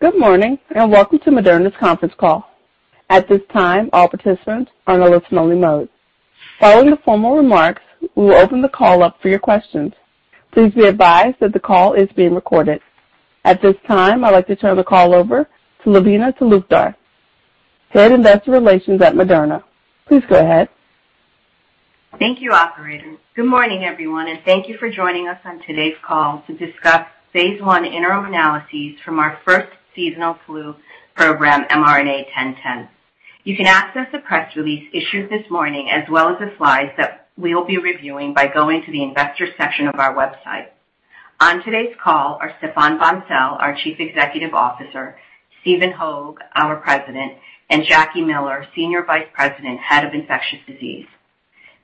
Good morning, and welcome to Moderna's conference call. At this time, all participants are in a listen only mode. Following the formal remarks, we will open the call up for your questions. Please be advised that the call is being recorded. At this time, I'd like to turn the call over to Lavina Talukdar, Head Investor Relations at Moderna. Please go ahead. Thank you, operator. Good morning, everyone, and thank you for joining us on today's call to discuss phase I interim analyses from our first seasonal flu program, mRNA-1010. You can access the press release issued this morning as well as the slides that we will be reviewing by going to the investor section of our website. On today's call are Stéphane Bancel, our Chief Executive Officer, Stephen Hoge, our President, and Jacqueline Miller, Senior Vice President, Head of Infectious Diseases.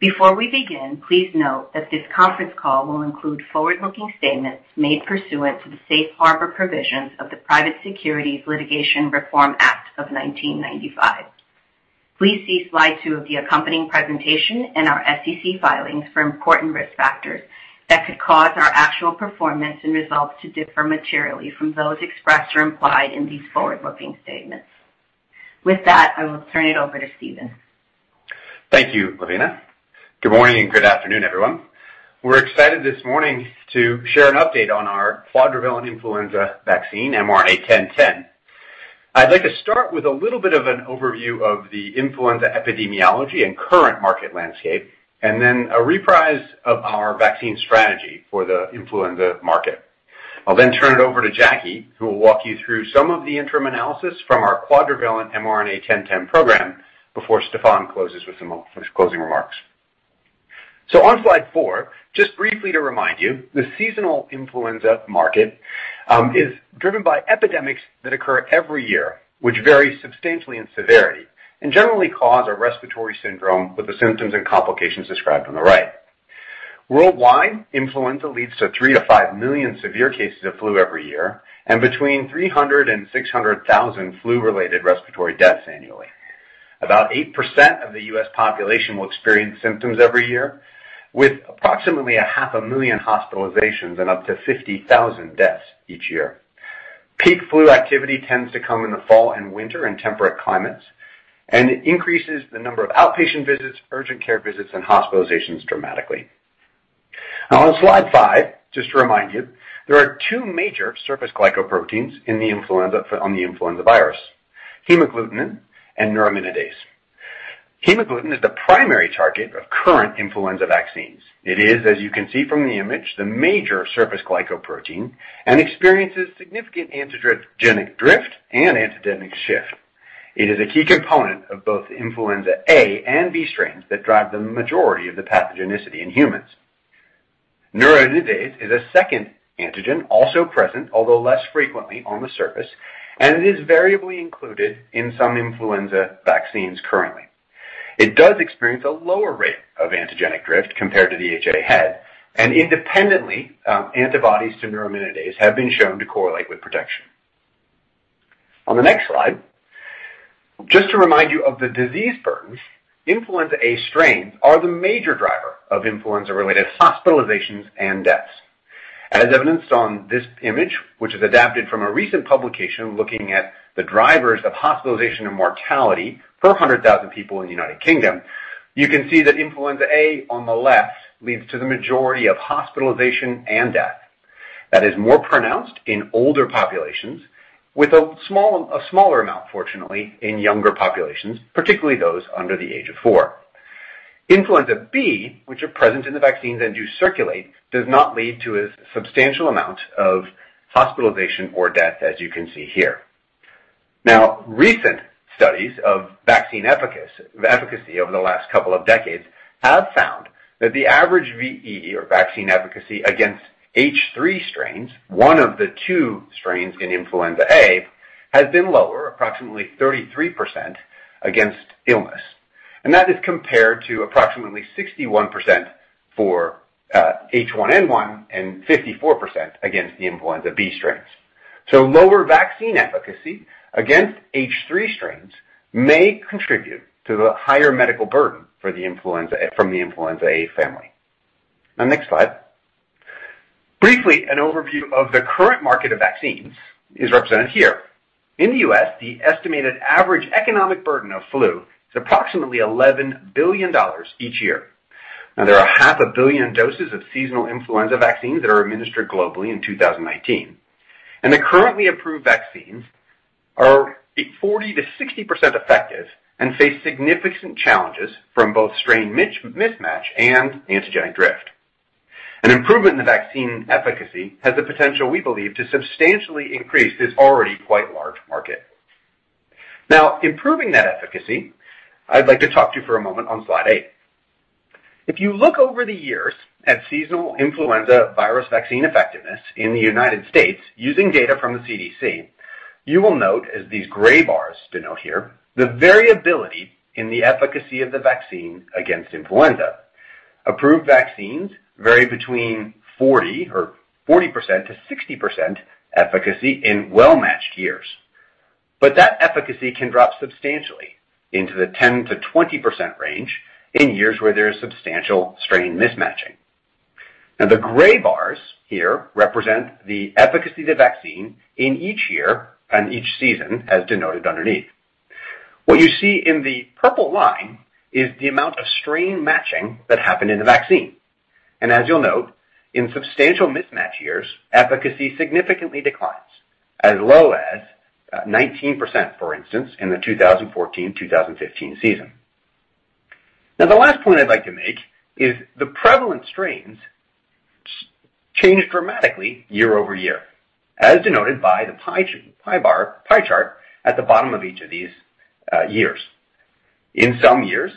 Before we begin, please note that this conference call will include forward-looking statements made pursuant to the safe harbor provisions of the Private Securities Litigation Reform Act of 1995. Please see slide two of the accompanying presentation and our SEC filings for important risk factors that could cause our actual performance and results to differ materially from those expressed or implied in these forward-looking statements. With that, I will turn it over to Stephen. Thank you, Lavina. Good morning and good afternoon, everyone. We're excited this morning to share an update on our quadrivalent influenza vaccine, mRNA-1010. I'd like to start with a little bit of an overview of the influenza epidemiology and current market landscape, and then a reprise of our vaccine strategy for the influenza market. I'll then turn it over to Jacqueline, who will walk you through some of the interim analysis from our quadrivalent mRNA-1010 program before Stéphane closes with some of his closing remarks. On slide four, just briefly to remind you, the seasonal influenza market is driven by epidemics that occur every year, which vary substantially in severity and generally cause a respiratory syndrome with the symptoms and complications described on the right. Worldwide, influenza leads to 3-5 million severe cases of flu every year and between 300,000-600,000 flu-related respiratory deaths annually. About 8% of the U.S. population will experience symptoms every year, with approximately 500,000 hospitalizations and up to 50,000 deaths each year. Peak flu activity tends to come in the fall and winter in temperate climates, and it increases the number of outpatient visits, urgent care visits, and hospitalizations dramatically. Now on slide five, just to remind you, there are two major surface glycoproteins on the influenza virus, hemagglutinin and neuraminidase. Hemagglutinin is the primary target of current influenza vaccines. It is, as you can see from the image, the major surface glycoprotein and experiences significant antigenic drift and antigenic shift. It is a key component of both influenza A and B strains that drive the majority of the pathogenicity in humans. Neuraminidase is a second antigen also present, although less frequently on the surface, and it is variably included in some influenza vaccines currently. It does experience a lower rate of antigenic drift compared to the HA head, and independently, antibodies to neuraminidase have been shown to correlate with protection. On the next slide, just to remind you of the disease burdens, influenza A strains are the major driver of influenza-related hospitalizations and deaths. As evidenced on this image, which is adapted from a recent publication looking at the drivers of hospitalization and mortality per 100,000 people in the United Kingdom, you can see that influenza A on the left leads to the majority of hospitalization and death. That is more pronounced in older populations with a smaller amount, fortunately, in younger populations, particularly those under the age of four. Influenza B, which are present in the vaccines and do circulate, does not lead to a substantial amount of hospitalization or death, as you can see here. Recent studies of vaccine efficacy over the last couple of decades have found that the average VE or vaccine efficacy against H3 strains, one of the two strains in influenza A, has been lower, approximately 33% against illness. That is compared to approximately 61% for H1N1 and 54% against the influenza B strains. Lower vaccine efficacy against H3 strains may contribute to the higher medical burden from the influenza A family. Now next slide. Briefly, an overview of the current market of vaccines is represented here. In the U.S., the estimated average economic burden of flu is approximately $11 billion each year. Now, there are 500 million doses of seasonal influenza vaccines that are administered globally in 2019, and the currently approved vaccines are 40%-60% effective and face significant challenges from both strain mismatch and antigenic drift. An improvement in the vaccine efficacy has the potential, we believe, to substantially increase this already quite large market. Now improving that efficacy, I'd like to talk to you for a moment on slide eight. If you look over the years at seasonal influenza virus vaccine effectiveness in the United States using data from the CDC, you will note, as these gray bars denote here, the variability in the efficacy of the vaccine against influenza. Approved vaccines vary between 40%-60% efficacy in well-matched years. That efficacy can drop substantially into the 10%-20% range in years where there is substantial strain mismatching. Now, the gray bars here represent the efficacy of the vaccine in each year and each season, as denoted underneath. What you see in the purple line is the amount of strain matching that happened in the vaccine. As you'll note, in substantial mismatch years, efficacy significantly declines as low as 19%, for instance, in the 2014-2015 season. Now, the last point I'd like to make is the prevalent strains change dramatically year-over-year, as denoted by the pie chart at the bottom of each of these years. In some years,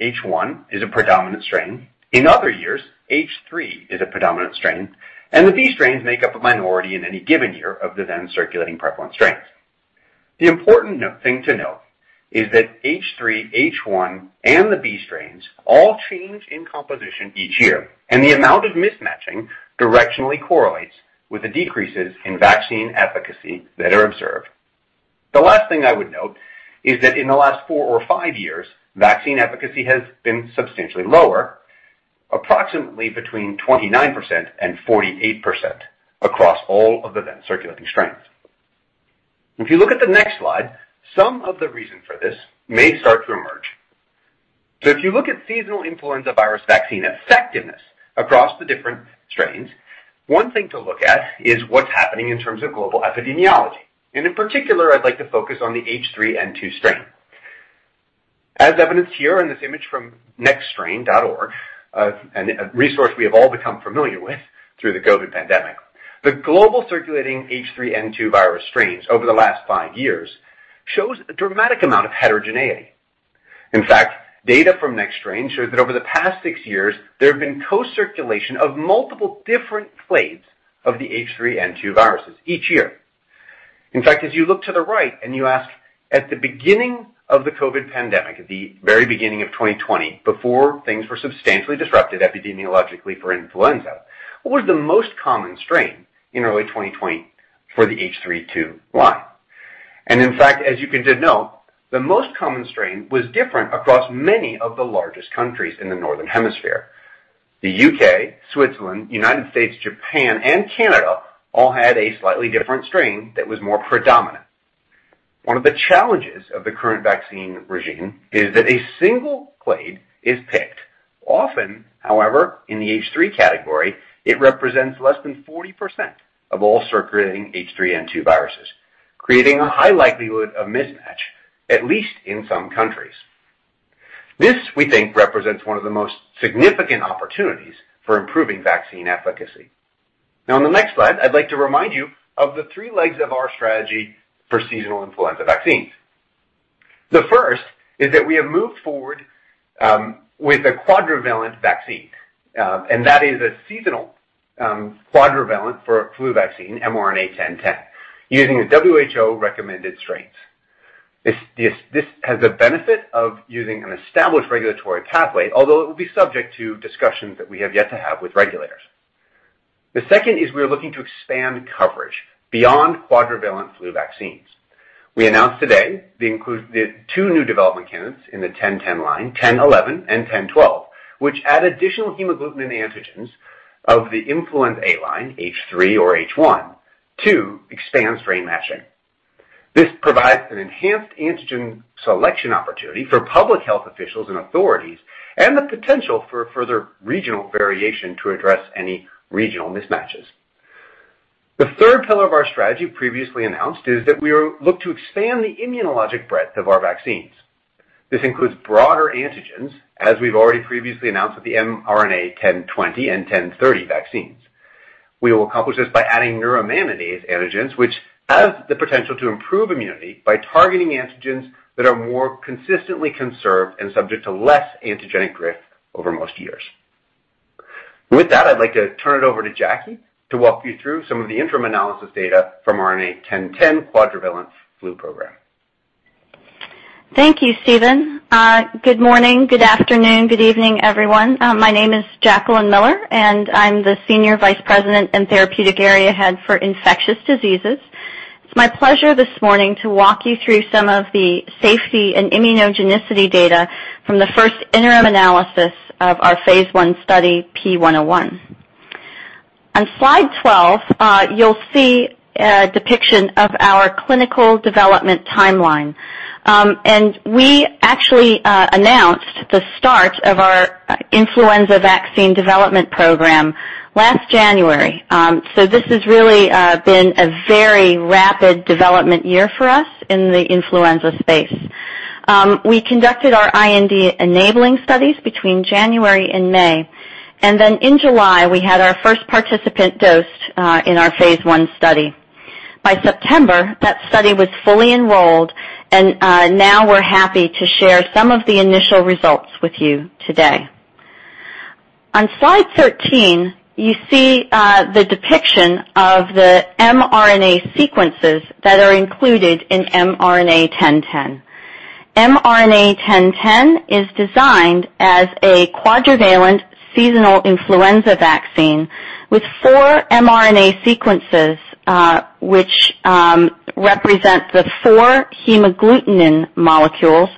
H1 is a predominant strain. In other years, H3 is a predominant strain, and the B strains make up a minority in any given year of the then-circulating prevalent strains. The important nothing to note is that H3, H1, and the B strains all change in composition each year, and the amount of mismatching directionally correlates with the decreases in vaccine efficacy that are observed. The last thing I would note is that in the last four or five years, vaccine efficacy has been substantially lower, approximately between 29% and 48% across all of the then-circulating strains. If you look at the next slide, some of the reason for this may start to emerge. If you look at seasonal influenza virus vaccine effectiveness across the different strains, one thing to look at is what's happening in terms of global epidemiology. In particular, I'd like to focus on the H3N2 strain. As evidenced here in this image from nextstrain.org, a resource we have all become familiar with through the COVID pandemic. The global circulating H3N2 virus strains over the last five years shows a dramatic amount of heterogeneity. In fact, data from Nextstrain shows that over the past six years, there have been co-circulation of multiple different clades of the H3N2 viruses each year. In fact, as you look to the right and you ask, at the beginning of the COVID pandemic, at the very beginning of 2020, before things were substantially disrupted epidemiologically for influenza, what was the most common strain in early 2020 for the H3N2 line? In fact, as you can denote, the most common strain was different across many of the largest countries in the Northern Hemisphere. The U.K., Switzerland, United States, Japan, and Canada all had a slightly different strain that was more predominant. One of the challenges of the current vaccine regime is that a single clade is picked. Often, however, in the H3 category, it represents less than 40% of all circulating H3N2 viruses, creating a high likelihood of mismatch, at least in some countries. This, we think, represents one of the most significant opportunities for improving vaccine efficacy. Now, on the next slide, I'd like to remind you of the three legs of our strategy for seasonal influenza vaccines. The first is that we have moved forward with a quadrivalent vaccine, and that is a seasonal quadrivalent for flu vaccine mRNA-1010 using the WHO recommended strains. This has a benefit of using an established regulatory pathway, although it will be subject to discussions that we have yet to have with regulators. The second is we're looking to expand coverage beyond quadrivalent flu vaccines. We announced today the two new development candidates in the mRNA-1010 line, mRNA-1011, and mRNA-1012, which add additional hemagglutinin antigens of the influenza A line, H3 or H1, to expand strain matching. This provides an enhanced antigen selection opportunity for public health officials and authorities and the potential for further regional variation to address any regional mismatches. The third pillar of our strategy previously announced is that we look to expand the immunologic breadth of our vaccines. This includes broader antigens, as we've already previously announced with the mRNA-1020 and mRNA-1030 vaccines. We will accomplish this by adding neuraminidase antigens, which has the potential to improve immunity by targeting antigens that are more consistently conserved and subject to less antigenic drift over most years. With that, I'd like to turn it over to Jacqueline to walk you through some of the interim analysis data from mRNA-1010 quadrivalent flu program. Thank you, Stephen. Good morning, good afternoon, good evening, everyone. My name is Jacqueline Miller, and I'm the Senior Vice President and Therapeutic Area Head for Infectious Diseases. It's my pleasure this morning to walk you through some of the safety and immunogenicity data from the first interim analysis of our phase I study, P101. On slide 12, you'll see a depiction of our clinical development timeline. We actually announced the start of our influenza vaccine development program last January. This has really been a very rapid development year for us in the influenza space. We conducted our IND-enabling studies between January and May, and then in July, we had our first participant dosed in our phase I study. By September, that study was fully enrolled and now we're happy to share some of the initial results with you today. On slide 13, you see the depiction of the mRNA sequences that are included in mRNA-1010. mRNA-1010 is designed as a quadrivalent seasonal influenza vaccine with four mRNA sequences, which represent the four hemagglutinin molecules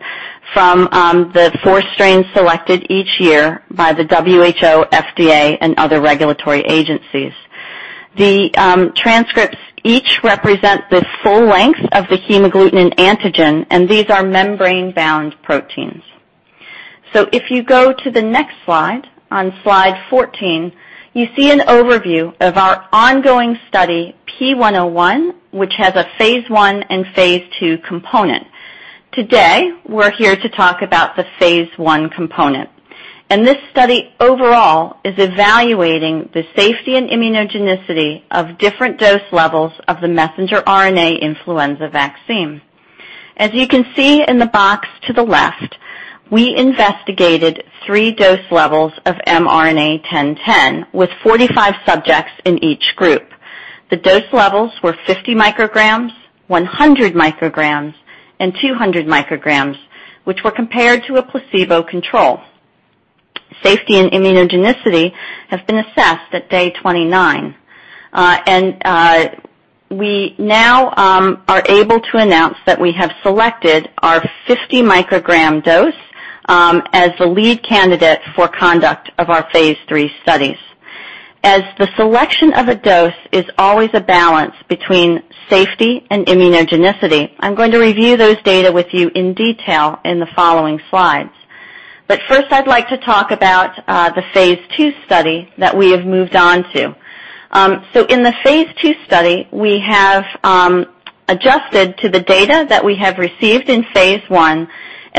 from the four strains selected each year by the WHO, FDA and other regulatory agencies. The transcripts each represent the full length of the hemagglutinin antigen, and these are membrane-bound proteins. If you go to the next slide, on slide 14, you see an overview of our ongoing study, P101, which has a phase I and phase II component. Today, we're here to talk about the phase I component, and this study overall is evaluating the safety and immunogenicity of different dose levels of the messenger RNA influenza vaccine. As you can see in the box to the left, we investigated three dose levels of mRNA-1010 with 45 subjects in each group. The dose levels were 50 µg, 100 µg, and 200 µg, which were compared to a placebo control. Safety and immunogenicity have been assessed at day 29. We now are able to announce that we have selected our 50 µg dose as the lead candidate for conduct of our phase III studies. As the selection of a dose is always a balance between safety and immunogenicity, I'm going to review those data with you in detail in the following slides. First, I'd like to talk about the phase II study that we have moved on to. In the phase II study, we have adjusted to the data that we have received in phase I, and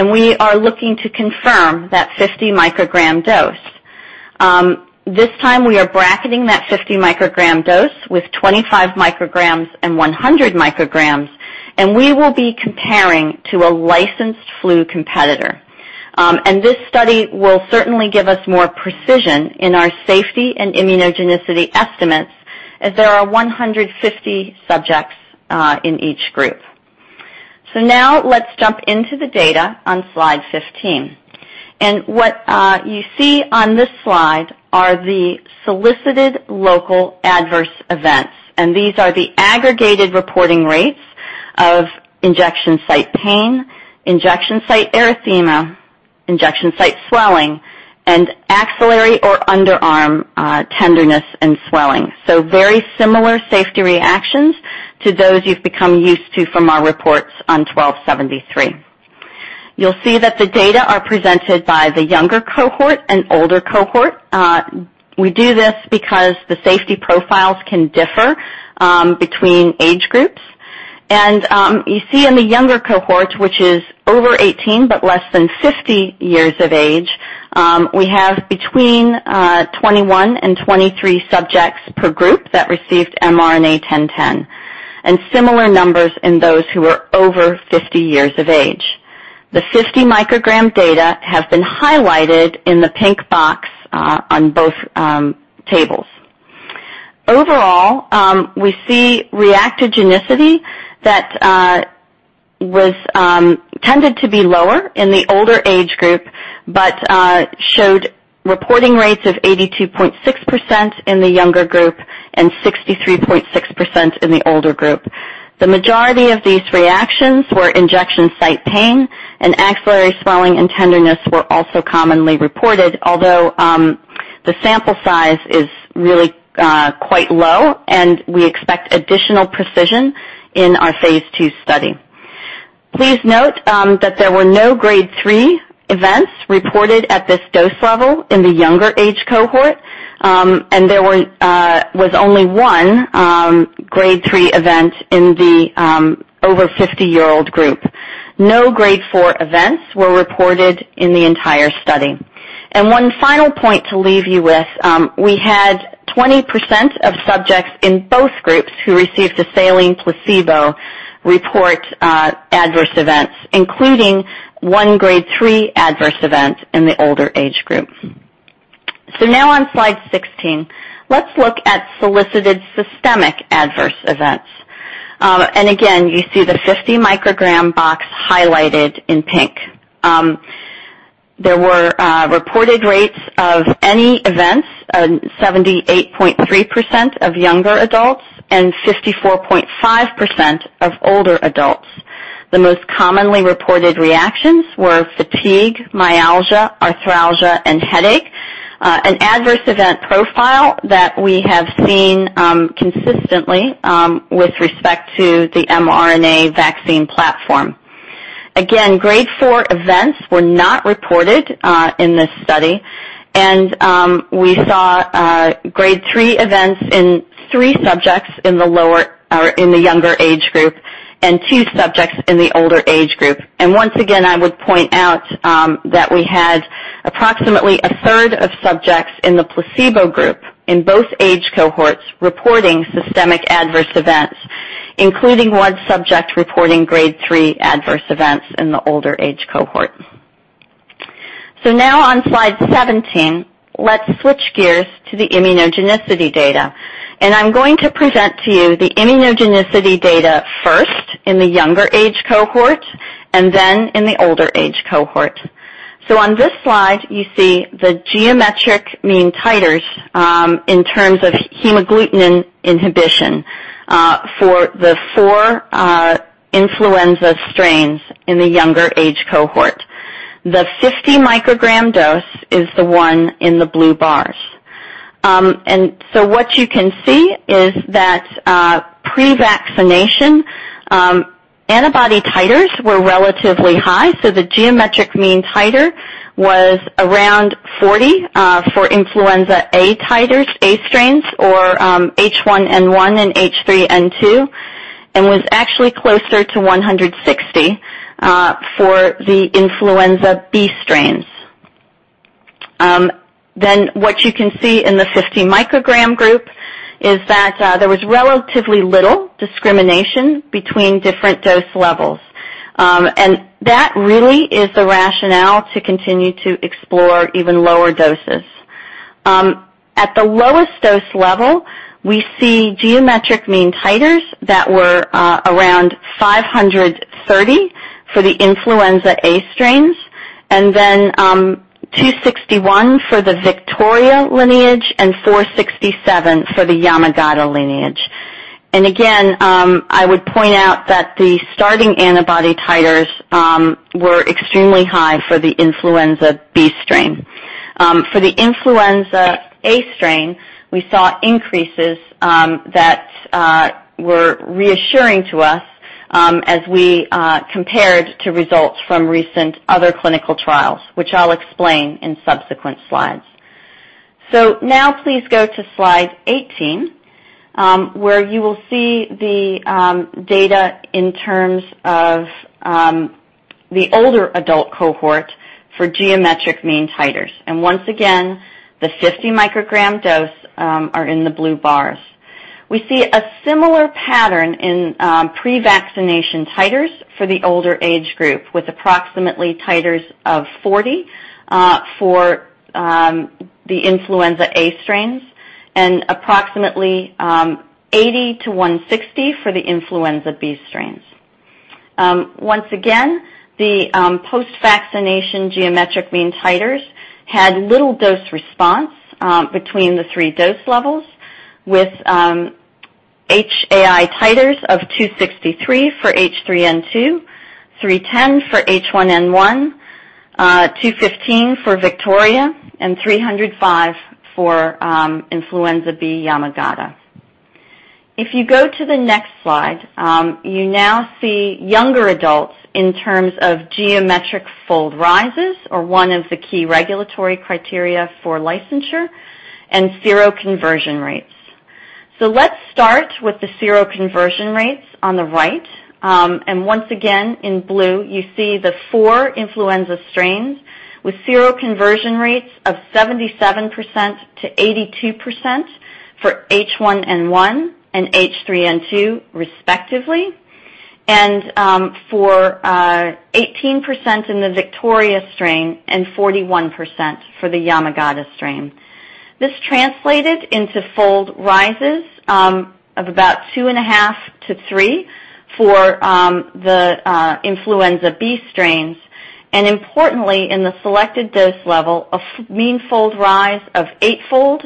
we are looking to confirm that 50 µg dose. This time we are bracketing that 50 µg dose with 25 µg and 100 µg, and we will be comparing to a licensed flu competitor. This study will certainly give us more precision in our safety and immunogenicity estimates as there are 150 subjects in each group. Now let's jump into the data on slide 15. What you see on this slide are the solicited local adverse events, and these are the aggregated reporting rates of injection site pain, injection site erythema, injection site swelling, and axillary or underarm tenderness and swelling. Very similar safety reactions to those you've become used to from our reports on mRNA-1273. You'll see that the data are presented by the younger cohort and older cohort. We do this because the safety profiles can differ between age groups. You see in the younger cohort, which is over 18 but less than 50 years of age, we have between 21 and 23 subjects per group that received mRNA-1010, and similar numbers in those who are over 50 years of age. The 50 µg data have been highlighted in the pink box on both tables. Overall, we see reactogenicity that was tended to be lower in the older age group, but showed reporting rates of 82.6% in the younger group and 63.6% in the older group. The majority of these reactions were injection site pain, and axillary swelling and tenderness were also commonly reported, although the sample size is really quite low and we expect additional precision in our phase II study. Please note that there were no grade 3 events reported at this dose level in the younger age cohort. There was only one grade 3 event in the over 50-year-old group. No grade 4 events were reported in the entire study. One final point to leave you with, we had 20% of subjects in both groups who received a saline placebo report adverse events, including one grade 3 adverse event in the older age group. Now on slide 16, let's look at solicited systemic adverse events. And again, you see the 50 µg box highlighted in pink. There were reported rates of any events, 78.3% of younger adults and 54.5% of older adults. The most commonly reported reactions were fatigue, myalgia, arthralgia, and headache. An adverse event profile that we have seen consistently with respect to the mRNA vaccine platform. Again, grade 4 events were not reported in this study. We saw grade 3 events in three subjects in the younger age group and two subjects in the older age group. Once again, I would point out that we had approximately 1/3 of subjects in the placebo group in both age cohorts reporting systemic adverse events, including one subject reporting grade 3 adverse events in the older age cohort. Now on slide 17, let's switch gears to the immunogenicity data. I'm going to present to you the immunogenicity data first in the younger age cohort and then in the older age cohort. On this slide, you see the geometric mean titers in terms of hemagglutinin inhibition for the four influenza strains in the younger age cohort. The 50 µg dose is the one in the blue bars. What you can see is that, pre-vaccination, antibody titers were relatively high, so the geometric mean titer was around 40 for influenza A titers, A strains, or, H1N1 and H3N2, and was actually closer to 160 for the influenza B strains. What you can see in the 50 µg group is that, there was relatively little discrimination between different dose levels. That really is the rationale to continue to explore even lower doses. At the lowest dose level, we see geometric mean titers that were around 530 for the influenza A strains, and 261 for the Victoria lineage and 467 for the Yamagata lineage. I would point out that the starting antibody titers were extremely high for the influenza B strain. For the influenza A strain, we saw increases that were reassuring to us as we compared to results from recent other clinical trials, which I'll explain in subsequent slides. Now please go to slide 18, where you will see the data in terms of the older adult cohort for geometric mean titers. Once again, the 50 µg dose are in the blue bars. We see a similar pattern in pre-vaccination titers for the older age group, with approximately titers of 40 for the influenza A strains and approximately 80-160 for the influenza B strains. Once again, the post-vaccination geometric mean titers had little dose response between the three dose levels with HAI titers of 263 for H3N2, 310 for H1N1, 215 for Victoria, and 305 for influenza B/Yamagata. If you go to the next slide, you now see younger adults in terms of geometric fold rises or one of the key regulatory criteria for licensure and seroconversion rates. Let's start with the seroconversion rates on the right. Once again, in blue you see the four influenza strains with seroconversion rates of 77%-82% for H1N1 and H3N2 respectively, and for 18% in the Victoria strain and 41% for the Yamagata strain. This translated into fold rises of about 2.5-3 for the influenza B strains, and importantly, in the selected dose level, a geometric mean fold rise of 8-fold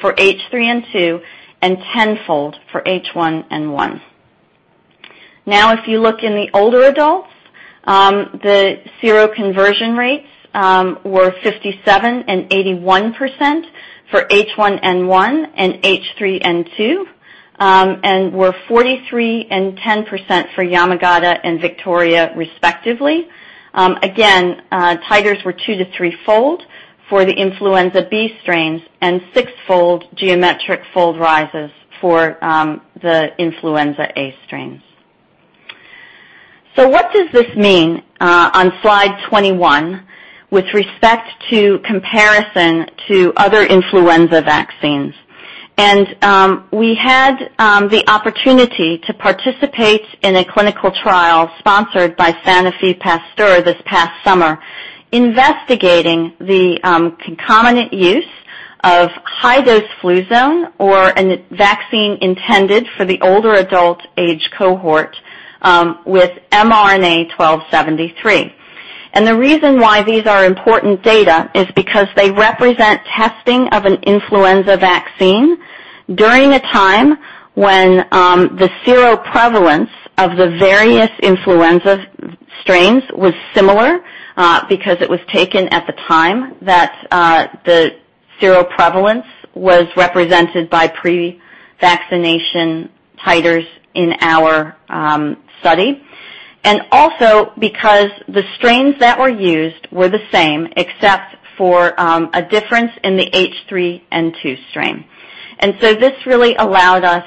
for H3N2 and 10-fold for H1N1. Now, if you look in the older adults, the seroconversion rates were 57% and 81% for H1N1 and H3N2, and were 43% and 10% for Yamagata and Victoria respectively. Again, titers were 2-3-fold for the influenza B strains and 6-fold geometric mean fold rises for the influenza A strains. What does this mean on slide 21 with respect to comparison to other influenza vaccines? We had the opportunity to participate in a clinical trial sponsored by Sanofi Pasteur this past summer investigating the concomitant use of Fluzone High-Dose, a vaccine intended for the older adult age cohort with mRNA-1273. The reason why these are important data is because they represent testing of an influenza vaccine during a time when the seroprevalence of the various influenza strains was similar because it was taken at the time that the seroprevalence was represented by pre-vaccination titers in our study. Also because the strains that were used were the same, except for a difference in the H3N2 strain. This really allowed us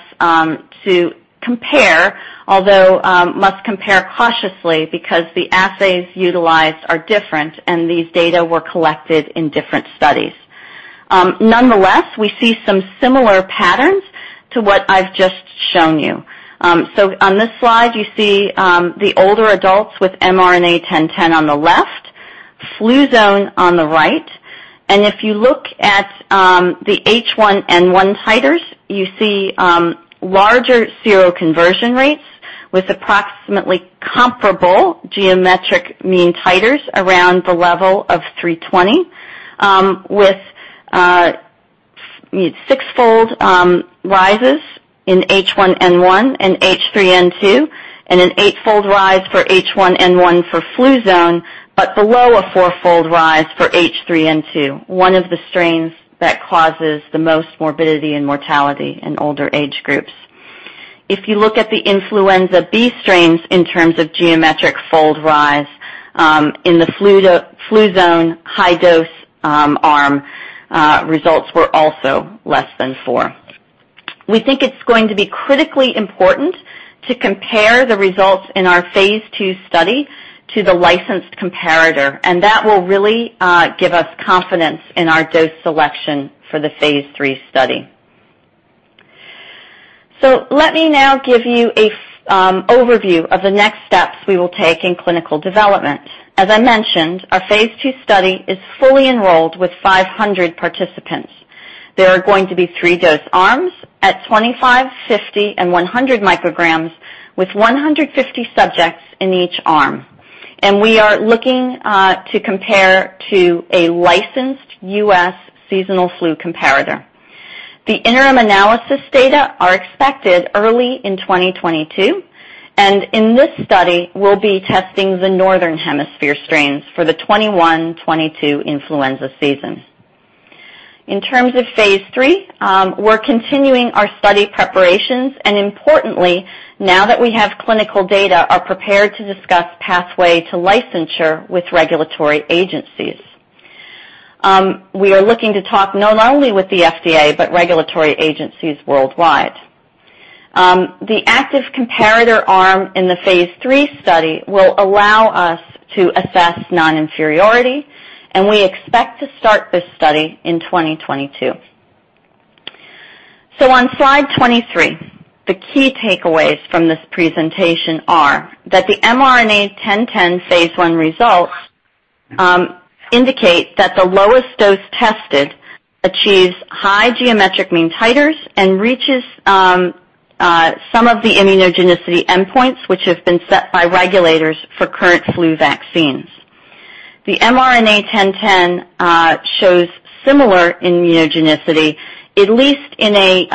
to compare, although must compare cautiously because the assays utilized are different and these data were collected in different studies. Nonetheless, we see some similar patterns to what I've just shown you. On this slide, you see the older adults with mRNA-1010 on the left, Fluzone on the right. If you look at the H1N1 titers, you see larger seroconversion rates with approximately comparable geometric mean titers around the level of 320, with 6-fold rises in H1N1 and H3N2, and an 8-fold rise for H1N1 for Fluzone, but below a 4-fold rise for H3N2, one of the strains that causes the most morbidity and mortality in older age groups. If you look at the influenza B strains in terms of geometric fold rise, in the Fluzone High-Dose arm, results were also less than four. We think it's going to be critically important to compare the results in our phase II study to the licensed comparator, and that will really give us confidence in our dose selection for the phase III study. Let me now give you an overview of the next steps we will take in clinical development. As I mentioned, our phase II study is fully enrolled with 500 participants. There are going to be three dose arms at 25, 50, and 100 µg with 150 subjects in each arm. We are looking to compare to a licensed U.S. seasonal flu comparator. The interim analysis data are expected early in 2022, and in this study we'll be testing the Northern Hemisphere strains for the 2021-2022 influenza season. In terms of phase III, we're continuing our study preparations, and importantly, now that we have clinical data, are prepared to discuss pathway to licensure with regulatory agencies. We are looking to talk not only with the FDA, but regulatory agencies worldwide. The active comparator arm in the phase III study will allow us to assess non-inferiority, and we expect to start this study in 2022. On slide 23, the key takeaways from this presentation are that the mRNA-1010 phase I results indicate that the lowest dose tested achieves high geometric mean titers and reaches some of the immunogenicity endpoints which have been set by regulators for current flu vaccines. The mRNA-1010 shows similar immunogenicity, at least in a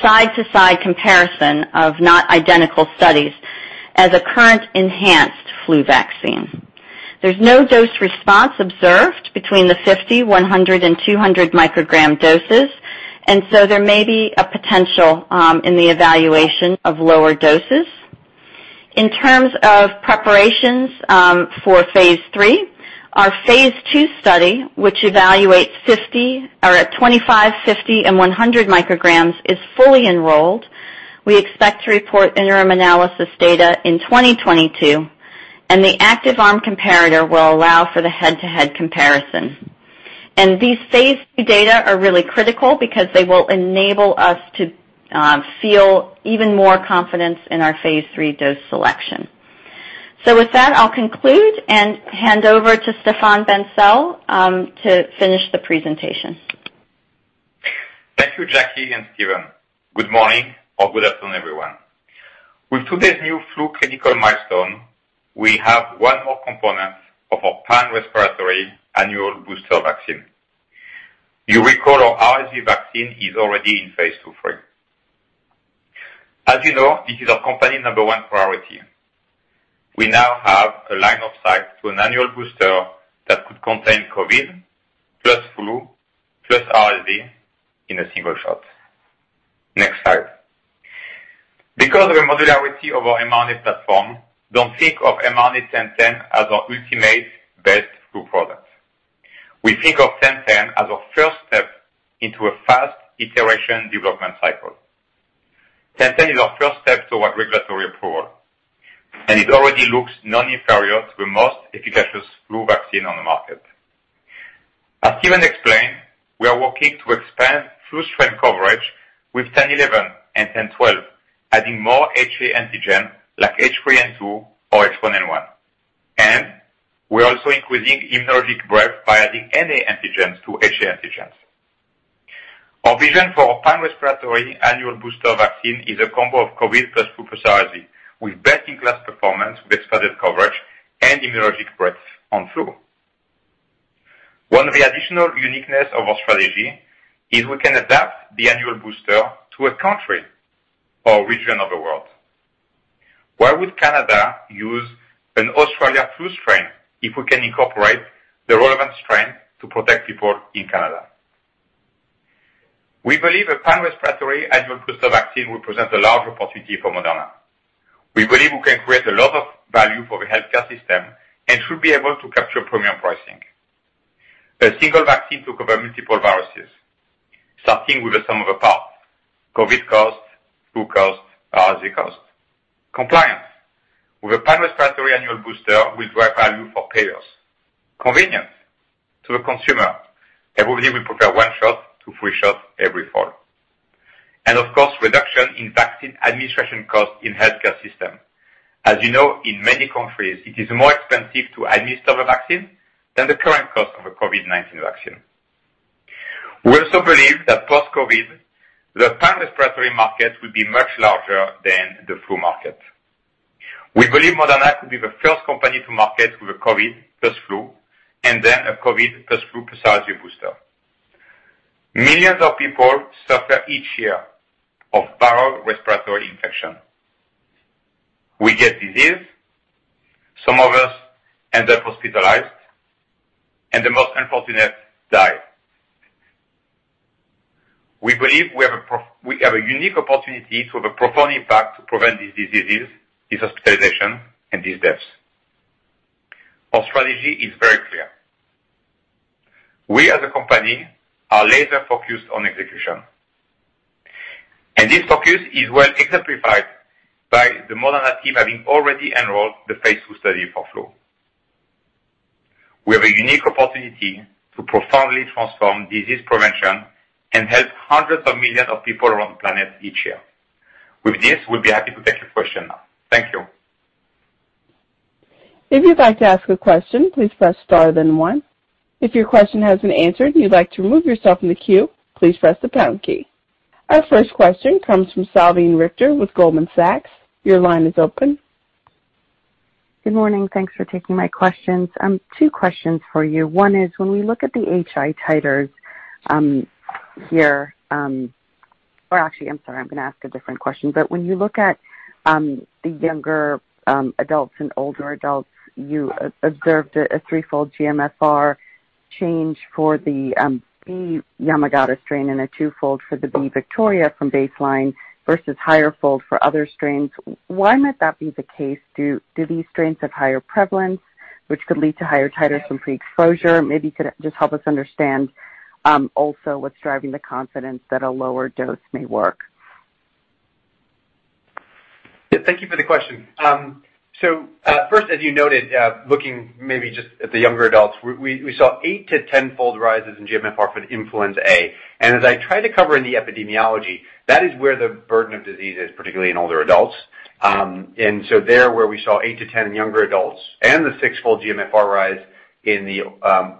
side-by-side comparison of not identical studies as a current enhanced flu vaccine. There's no dose response observed between the 50, 100, and 200 µg, and there may be a potential in the evaluation of lower doses. In terms of preparations for phase III, our phase II study, which evaluates 25, 50, and 100 µg, is fully enrolled. We expect to report interim analysis data in 2022, and the active arm comparator will allow for the head-to-head comparison. These phase III data are really critical because they will enable us to feel even more confidence in our phase III dose selection. With that, I'll conclude and hand over to Stéphane Bancel to finish the presentation. Thank you, Jacqueline and Stephen. Good morning or good afternoon, everyone. With today's new flu clinical milestone, we have one more component of our pan-respiratory annual booster vaccine. You recall our RSV vaccine is already in phase II/III. As you know, this is our company number one priority. We now have a line of sight to an annual booster that could contain COVID, plus flu, plus RSV in a single shot. Next slide. Because the modularity of our mRNA platform, don't think of mRNA-1010 as our ultimate best flu product. We think of mRNA-1010 as a first step into a fast iteration development cycle. mRNA-1010 is our first step toward regulatory approval, and it already looks non-inferior to the most efficacious flu vaccine on the market. As Stephen explained, we are working to expand flu strain coverage with mRNA-1011 and mRNA-1012, adding more HA antigen like H3N2 or H1N1. We're also including immunologic breadth by adding NA antigens to HA antigens. Our vision for pan-respiratory annual booster vaccine is a combo of COVID plus flu plus RSV with best-in-class performance with expanded coverage and immunologic breadth on flu. One of the additional uniqueness of our strategy is we can adapt the annual booster to a country or region of the world. Why would Canada use an Australia flu strain if we can incorporate the relevant strain to protect people in Canada? We believe a pan-respiratory annual booster vaccine will present a large opportunity for Moderna. We believe we can create a lot of value for the healthcare system and should be able to capture premium pricing. A single vaccine to cover multiple viruses, starting with the sum of the parts, COVID cost, flu cost, RSV cost, compliance. With a pan-respiratory annual booster, we drive value for payers. Convenience to the consumer. Everybody will prepare one shot, two, [three] shots every fall. Of course, reduction in vaccine administration costs in healthcare system. As you know, in many countries it is more expensive to administer the vaccine than the current cost of a COVID-19 vaccine. We also believe that post-COVID, the pan respiratory market will be much larger than the flu market. We believe Moderna could be the first company to market with a COVID plus flu and then a COVID plus flu plus RSV booster. Millions of people suffer each year of viral respiratory infection. We get disease, some of us end up hospitalized, and the most unfortunate die. We believe we have a unique opportunity to have a profound impact to prevent these diseases, these hospitalizations, and these deaths. Our strategy is very clear. We as a company are laser focused on execution, and this focus is well exemplified by the Moderna team having already enrolled the phase II study for flu. We have a unique opportunity to profoundly transform disease prevention and help hundreds of millions of people around the planet each year. With this, we'll be happy to take your questions now. Thank you. If you want to ask a question, please press star then one. If your question has been answered and you'd like to remove yourself from the queue, please press the pound key. Our first question comes from Salveen Richter with Goldman Sachs. Your line is open. Good morning. Thanks for taking my questions. Two questions for you. When you look at the younger adults and older adults, you observed a 3-fold GMFR change for the B/Yamagata strain and a 2-fold for the B/Victoria from baseline versus higher fold for other strains. Why might that be the case? Do these strains have higher prevalence, which could lead to higher titers from pre-exposure? Maybe you could just help us understand also what's driving the confidence that a lower dose may work. Thank you for the question. Looking maybe just at the younger adults, we saw 8-10-fold rises in GMFR for the influenza A. As I tried to cover in the epidemiology, that is where the burden of disease is, particularly in older adults. There, where we saw [8-10-fold] in younger adults and the 6-fold GMFR rise in the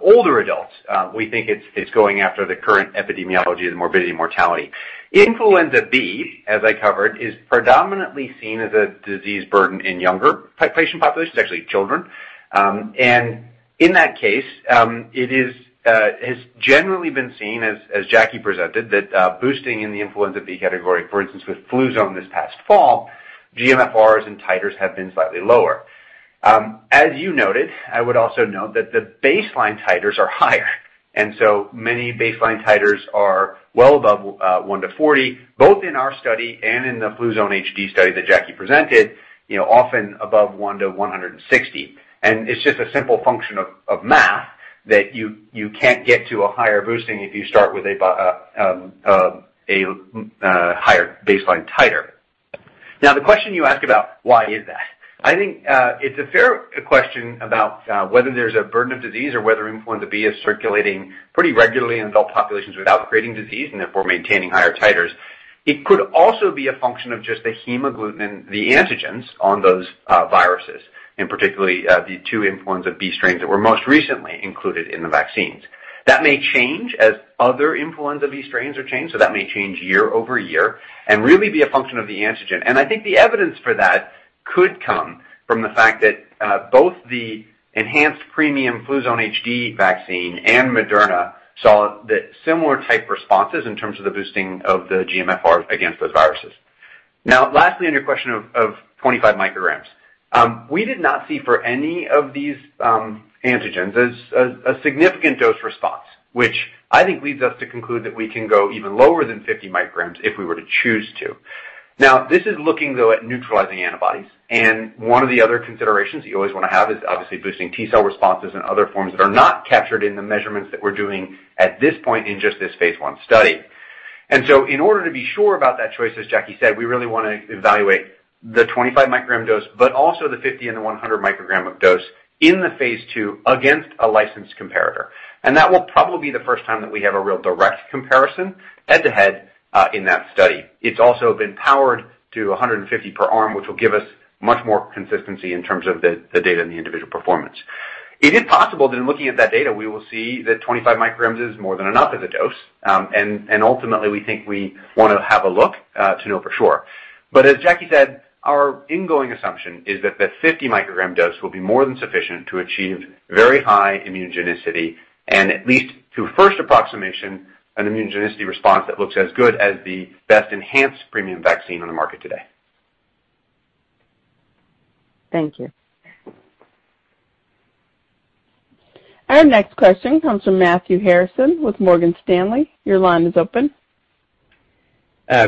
older adults, we think it's going after the current epidemiology, the morbidity and mortality. Influenza B, as I covered, is predominantly seen as a disease burden in younger patient populations, actually children. In that case, it has generally been seen, as Jacqueline presented, that boosting in the influenza B category, for instance, with Fluzone this past fall, GMFRs and titers have been slightly lower. As you noted, I would also note that the baseline titers are higher, and so many baseline titers are well above 1:40, both in our study and in the Fluzone HD study that Jacqueline presented, you know, often above 1:160. It's just a simple function of math that you can't get to a higher boosting if you start with a higher baseline titer. Now the question you ask about why is that? I think it's a fair question about whether there's a burden of disease or whether influenza B is circulating pretty regularly in adult populations without creating disease and therefore maintaining higher titers. It could also be a function of just the hemagglutinin, the antigens on those viruses, and particularly the two influenza B strains that were most recently included in the vaccines. That may change as other influenza B strains are changed, so that may change year over year and really be a function of the antigen. I think the evidence for that could come from the fact that both the enhanced premium Fluzone HD vaccine and Moderna saw the similar type responses in terms of the boosting of the GMFR against those viruses. Now lastly, on your question of 25 µg. We did not see for any of these antigens as a significant dose response, which I think leads us to conclude that we can go even lower than 50 µg if we were to choose to. Now, this is looking though at neutralizing antibodies, and one of the other considerations that you always wanna have is obviously boosting T-cell responses and other forms that are not captured in the measurements that we're doing at this point in just this phase I study. In order to be sure about that choice, as Jacqueline said, we really wanna evaluate the 25 µg dose, but also the 50 and 100 µg dose in the phase II against a licensed comparator. That will probably be the first time that we have a real direct comparison head-to-head in that study. It's also been powered to 150 per arm, which will give us much more consistency in terms of the data and the individual performance. It is possible that in looking at that data we will see that 25 µg is more than enough as a dose, and ultimately we think we wanna have a look to know for sure. As Jacqueline said, our ingoing assumption is that the 50 µg dose will be more than sufficient to achieve very high immunogenicity and at least to first approximation, an immunogenicity response that looks as good as the best enhanced premium vaccine on the market today. Thank you. Our next question comes from Matthew Harrison with Morgan Stanley. Your line is open.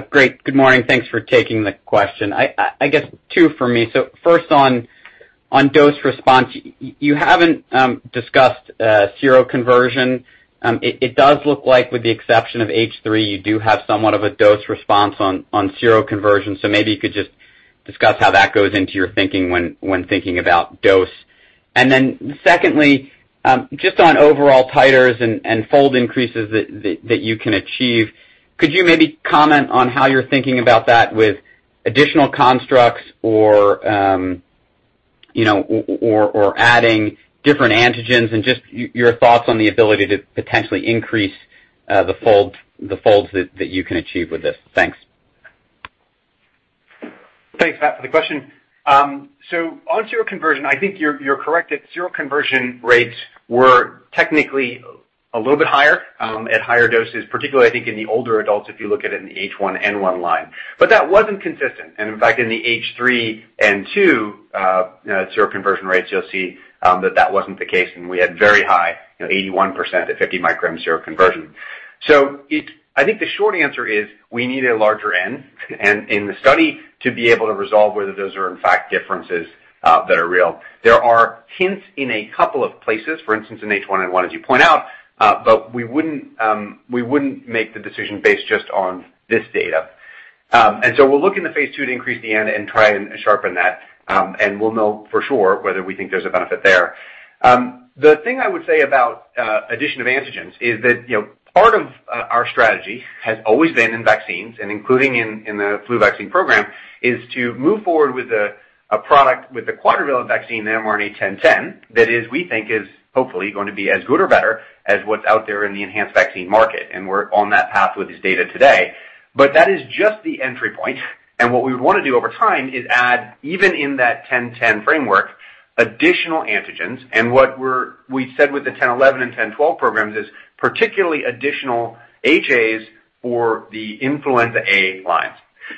Great. Good morning. Thanks for taking the question. I guess two for me. First on dose response. You haven't discussed seroconversion. It does look like with the exception of H3, you do have somewhat of a dose response on seroconversion. Maybe you could just discuss how that goes into your thinking when thinking about dose. Just on overall titers and fold increases that you can achieve, could you maybe comment on how you're thinking about that with additional constructs or, you know, or adding different antigens and just your thoughts on the ability to potentially increase the folds that you can achieve with this? Thanks. Thanks, Matt, for the question. On seroconversion, I think you're correct that seroconversion rates were technically a little bit higher at higher doses, particularly I think in the older adults, if you look at it in the H1N1 line. That wasn't consistent. In fact, in the H3N2 seroconversion rates, you'll see that wasn't the case, and we had very high, you know, 81% at 50 µg seroconversion. I think the short answer is we need a larger N in the study to be able to resolve whether those are in fact differences that are real. There are hints in a couple of places, for instance, in H1N1, as you point out, but we wouldn't make the decision based just on this data. We'll look in the phase II to increase the N and try and sharpen that, and we'll know for sure whether we think there's a benefit there. The thing I would say about addition of antigens is that, you know, part of our strategy has always been in vaccines and including in the flu vaccine program, is to move forward with a product with the quadrivalent vaccine, the mRNA-1010, that is, we think is hopefully going to be as good or better as what's out there in the enhanced vaccine market. We're on that path with this data today. That is just the entry point, and what we would wanna do over time is add, even in that mRNA-1010 framework, additional antigens. We said with the mRNA-1011 and mRNA-1012 programs is particularly additional HAs for the influenza A lines.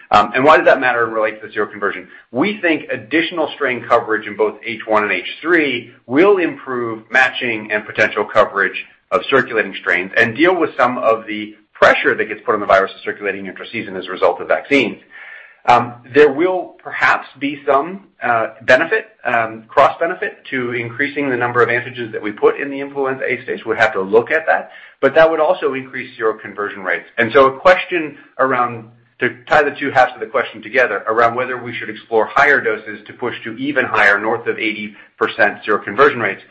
Why does that matter and relate to the seroconversion? We think additional strain coverage in both H1 and H3 will improve matching and potential coverage of circulating strains and deal with some of the pressure that gets put on the virus circulating intraseason as a result of vaccines. There will perhaps be some benefit, cross-benefit to increasing the number of antigens that we put in the influenza A stage. We'll have to look at that, but that would also increase seroconversion rates. A question around, to tie the two halves of the question together, around whether we should explore higher doses to push to even higher, north of 80% seroconversion rates,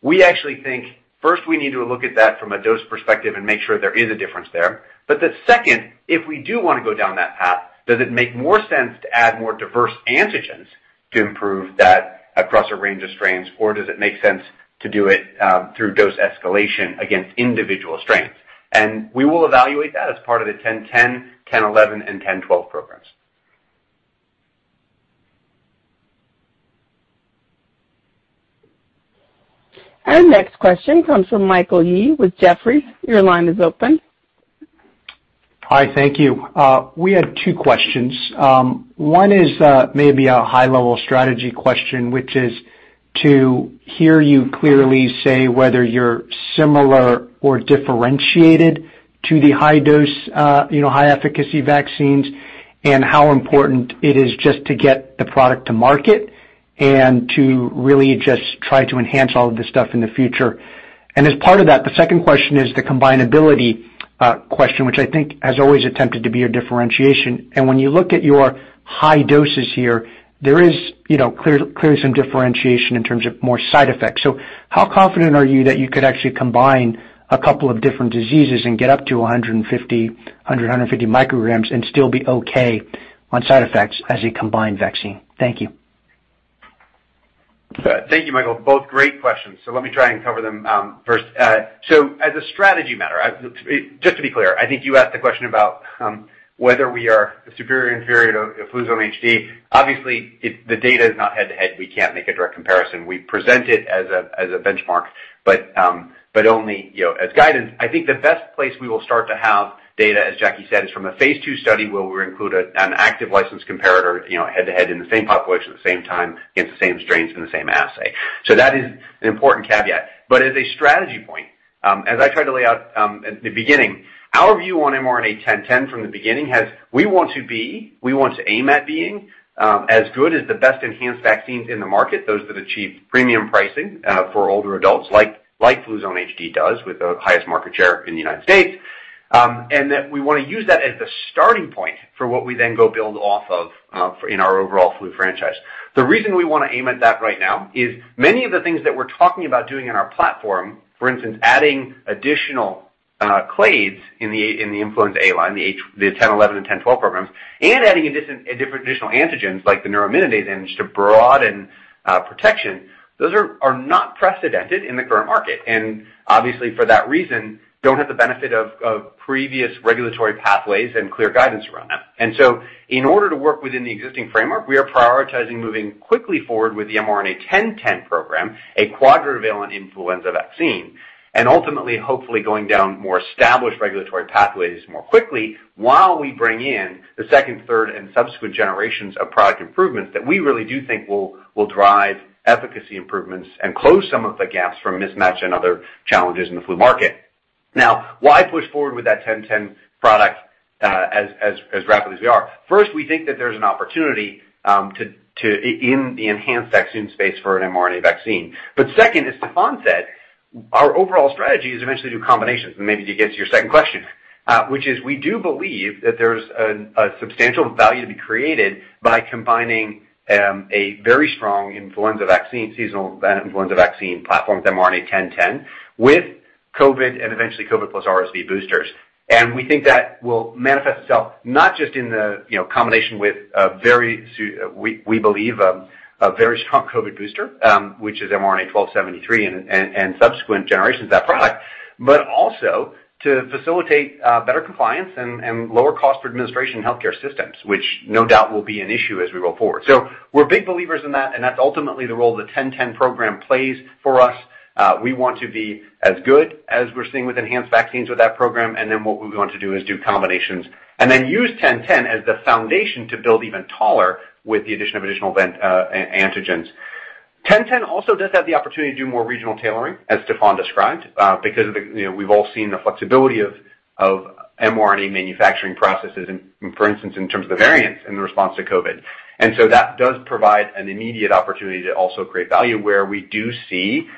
we actually think, first, we need to look at that from a dose perspective and make sure there is a difference there. That second, if we do wanna go down that path, does it make more sense to add more diverse antigens to improve that across a range of strains, or does it make sense to do it through dose escalation against individual strains? We will evaluate that as part of the mRNA-1010, mRNA-1011, and mRNA-1012 programs. Our next question comes from Michael Yee with Jefferies. Your line is open. Hi, thank you. We had two questions. One is maybe a high-level strategy question, which is to hear you clearly say whether you're similar or differentiated to the high dose, you know, high efficacy vaccines, and how important it is just to get the product to market and to really just try to enhance all of this stuff in the future. As part of that, the second question is the combinability question, which I think has always attempted to be a differentiation. When you look at your high doses here, there is, you know, clearly some differentiation in terms of more side effects. How confident are you that you could actually combine a couple of different diseases and get up to 150 µg and still be okay on side effects as a combined vaccine? Thank you. Thank you, Michael. Both great questions, let me try and cover them first. As a strategy matter, just to be clear, I think you asked the question about whether we are superior, inferior to Fluzone HD. Obviously, the data is not head-to-head. We can't make a direct comparison. We present it as a benchmark, but only, you know, as guidance. I think the best place we will start to have data, as Jacqueline said, is from a phase II study where we include an active licensed comparator, you know, head-to-head in the same population, at the same time, against the same strains in the same assay. That is an important caveat. As a strategy point, as I tried to lay out at the beginning, our view on mRNA-1010 from the beginning has been that we want to aim at being as good as the best enhanced vaccines in the market, those that achieve premium pricing for older adults like Fluzone HD does with the highest market share in the U.S. That we wanna use that as the starting point for what we then go build off of for our overall flu franchise. The reason we wanna aim at that right now is many of the things that we're talking about doing in our platform, for instance, adding additional clades in the influenza A line, the mRNA-1011 and mRNA-1012 programs, and adding different additional antigens like the neuraminidase enzyme to broaden protection, those are not precedented in the current market. Obviously for that reason, don't have the benefit of previous regulatory pathways and clear guidance around that. In order to work within the existing framework, we are prioritizing moving quickly forward with the mRNA-1010 program, a quadrivalent influenza vaccine. Ultimately, hopefully going down more established regulatory pathways more quickly while we bring in the second, third, and subsequent generations of product improvements that we really do think will drive efficacy improvements and close some of the gaps from mismatch and other challenges in the flu market. Now, why push forward with that mRNA-1010 product as rapidly as we are? First, we think that there's an opportunity to in the enhanced vaccine space for an mRNA vaccine. Second, as Stéphane said. Our overall strategy is eventually do combinations, and maybe to get to your second question, which is we do believe that there's a substantial value to be created by combining a very strong influenza vaccine, seasonal influenza vaccine platform with mRNA-1010, with COVID and eventually COVID plus RSV boosters. We think that will manifest itself not just in the, you know, combination with... we believe a very strong COVID booster, which is mRNA-1273 and subsequent generations of that product, but also to facilitate better compliance and lower cost for administration healthcare systems, which no doubt will be an issue as we go forward. We're big believers in that, and that's ultimately the role the mRNA-1010 program plays for us. We want to be as good as we're seeing with enhanced vaccines with that program, and then what we want to do is do combinations, and then use mRNA-1010 as the foundation to build even taller with the addition of additional variant antigens. mRNA-1010 also does have the opportunity to do more regional tailoring, as Stéphane described, because of the, you know, we've all seen the flexibility of mRNA manufacturing processes in, for instance, in terms of the variants and the response to COVID. That does provide an immediate opportunity to also create value where we do see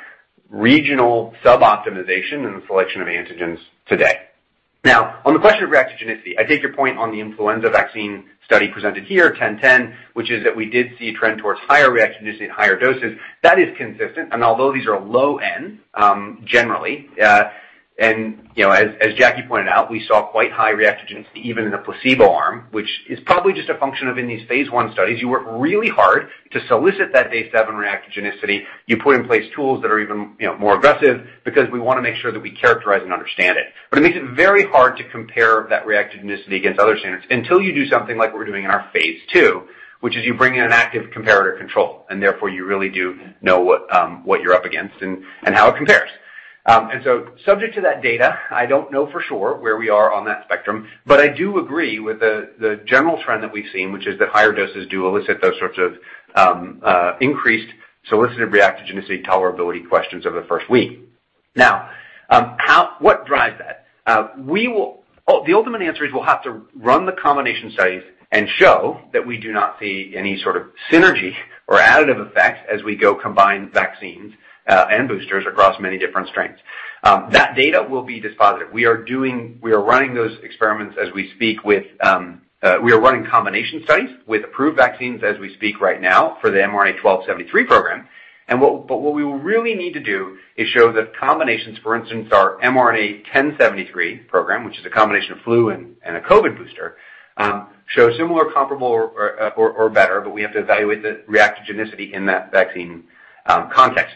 regional sub-optimization in the selection of antigens today. Now, on the question of reactogenicity, I take your point on the influenza vaccine study presented here, mRNA-1010, which is that we did see a trend towards higher reactogenicity at higher doses. That is consistent, and although these are low-end, generally, you know, as Jacqueline pointed out, we saw quite high reactogenicity even in the placebo arm, which is probably just a function of in these phase I studies, you work really hard to solicit that day seven reactogenicity. You put in place tools that are even, you know, more aggressive because we wanna make sure that we characterize and understand it. It makes it very hard to compare that reactogenicity against other standards until you do something like we're doing in our phase II, which is you bring in an active comparator control, and therefore you really do know what you're up against and how it compares. Subject to that data, I don't know for sure where we are on that spectrum, but I do agree with the general trend that we've seen, which is that higher doses do elicit those sorts of increased solicited reactogenicity tolerability questions over the first week. What drives that? The ultimate answer is we'll have to run the combination studies and show that we do not see any sort of synergy or additive effect as we go combine vaccines and boosters across many different strengths. That data will be dispositive. We are running those experiments as we speak with, we are running combination studies with approved vaccines as we speak right now for the mRNA-1273 program. What we will really need to do is show that combinations, for instance, our mRNA-1073 program, which is a combination of flu and a COVID booster, show similar, comparable or better, but we have to evaluate the reactogenicity in that vaccine context.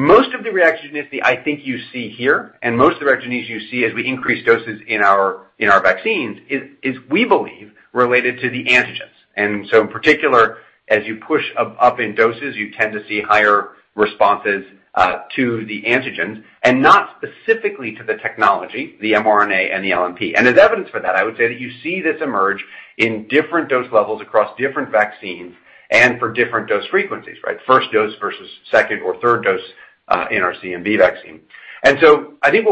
Most of the reactogenicity I think you see here, and most of the reactogenicity you see as we increase doses in our vaccines is we believe related to the antigens. In particular, as you push up in doses, you tend to see higher responses to the antigens, and not specifically to the technology, the mRNA and the LNP. As evidence for that, I would say that you see this emerge in different dose levels across different vaccines and for different dose frequencies, right? First dose versus second or third dose in our CMV vaccine. I think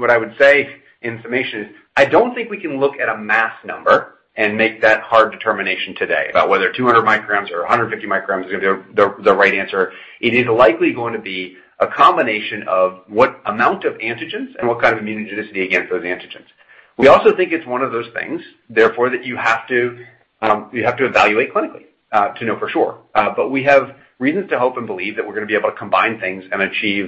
what I would say in summation is I don't think we can look at a single number and make that hard determination today about whether 200 µg or 150 µg is gonna be the right answer. It is likely going to be a combination of what amount of antigens and what kind of immunogenicity against those antigens. We also think it's one of those things, therefore, that you have to evaluate clinically to know for sure. we have reasons to hope and believe that we're gonna be able to combine things and achieve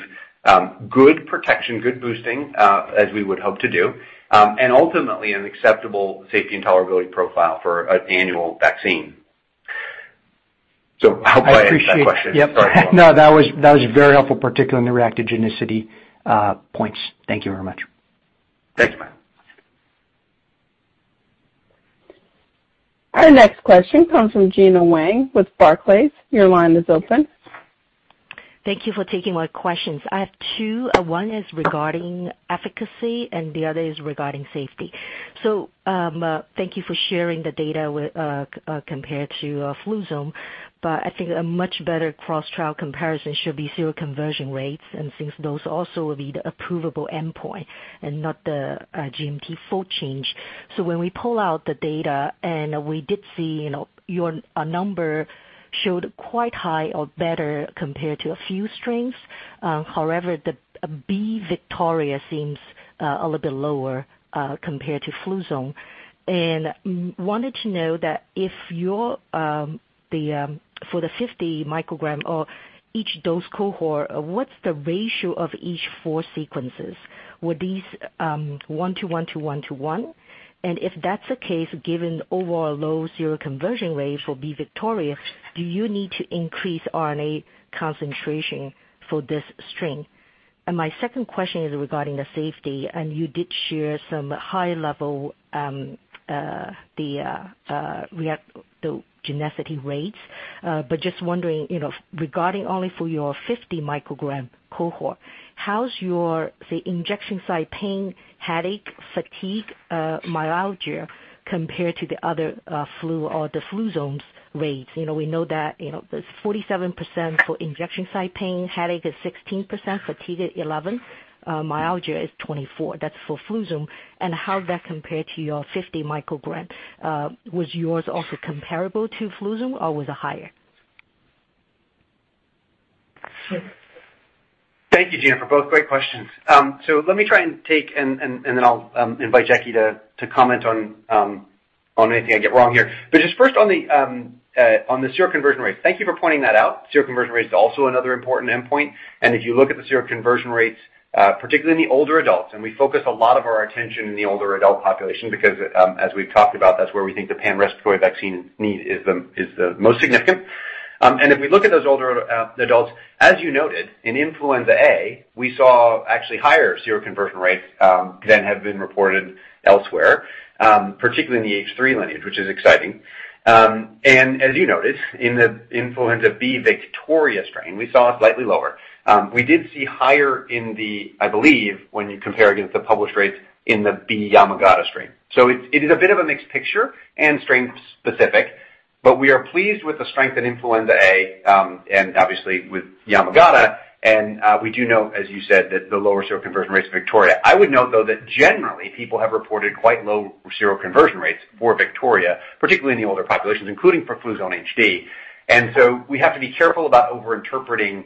good protection, good boosting, as we would hope to do, and ultimately an acceptable safety and tolerability profile for an annual vaccine. I hope I answered that question. I appreciate. Yep. No, that was very helpful, particularly on the reactogenicity points. Thank you very much. Thanks, Michael. Our next question comes from Gena Wang with Barclays. Your line is open. Thank you for taking my questions. I have two. One is regarding efficacy, and the other is regarding safety. Thank you for sharing the data compared to Fluzone, but I think a much better cross-trial comparison should be seroconversion rates, and since those also will be the approvable endpoint and not the GMT fold change. When we pull out the data, and we did see, you know, your number showed quite high or better compared to a few strains, however, the B/Victoria seems a little bit lower compared to Fluzone. Wanted to know that if your the for the 50 µg or each dose cohort, what's the ratio of each four sequences? Were these 1-1-1-1? If that's the case, given overall low seroconversion rates for B/Victoria, do you need to increase RNA concentration for this strain? My second question is regarding the safety, and you did share some high level, the reactogenicity rates. But just wondering, you know, regarding only for your 50 µg cohort, how's your, say, injection site pain, headache, fatigue, myalgia compared to the other, flu or the Fluzone's rates? You know, we know that, you know, there's 47% for injection site pain, headache is 16%, fatigue at 11%, myalgia is 24%. That's for Fluzone, and how does that compare to your 50 µg? Was yours also comparable to Fluzone or was it higher? Thank you, Gena, for both great questions. Let me try and take and then I'll invite Jacqueline to comment on anything I get wrong here. Just first on the seroconversion rate. Thank you for pointing that out. Seroconversion rate is also another important endpoint. If you look at the seroconversion rates, particularly in the older adults, and we focus a lot of our attention in the older adult population because, as we've talked about, that's where we think the pan-respiratory vaccine need is the most significant. If we look at those older adults, as you noted, in influenza A, we saw actually higher seroconversion rates than have been reported elsewhere, particularly in the H3 lineage, which is exciting. As you noted, in the influenza B/Victoria strain, we saw slightly lower. We did see higher, I believe, when you compare against the published rates in the B/Yamagata strain. It is a bit of a mixed picture and strain specific, but we are pleased with the strength in influenza A, and obviously with Yamagata and we do know, as you said, that the lower seroconversion rates in Victoria. I would note, though, that generally people have reported quite low seroconversion rates for Victoria, particularly in the older populations, including for Fluzone HD. We have to be careful about over-interpreting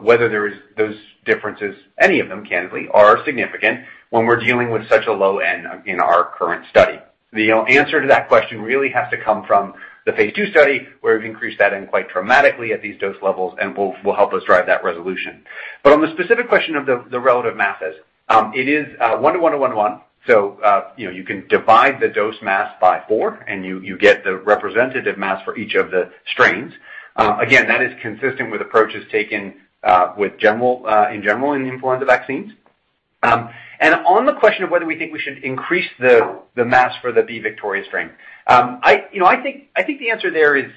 whether there's those differences, any of them, candidly, are significant when we're dealing with such a low end in our current study. The answer to that question really has to come from the phase II study, where we've increased that end quite dramatically at these dose levels and will help us drive that resolution. But on the specific question of the relative masses, it is 1-1-1-1. So, you know, you can divide the dose mass by four and you get the representative mass for each of the strains. Again, that is consistent with approaches taken in general in the influenza vaccines. On the question of whether we think we should increase the mass for the B/Victoria strain. You know, I think the answer there is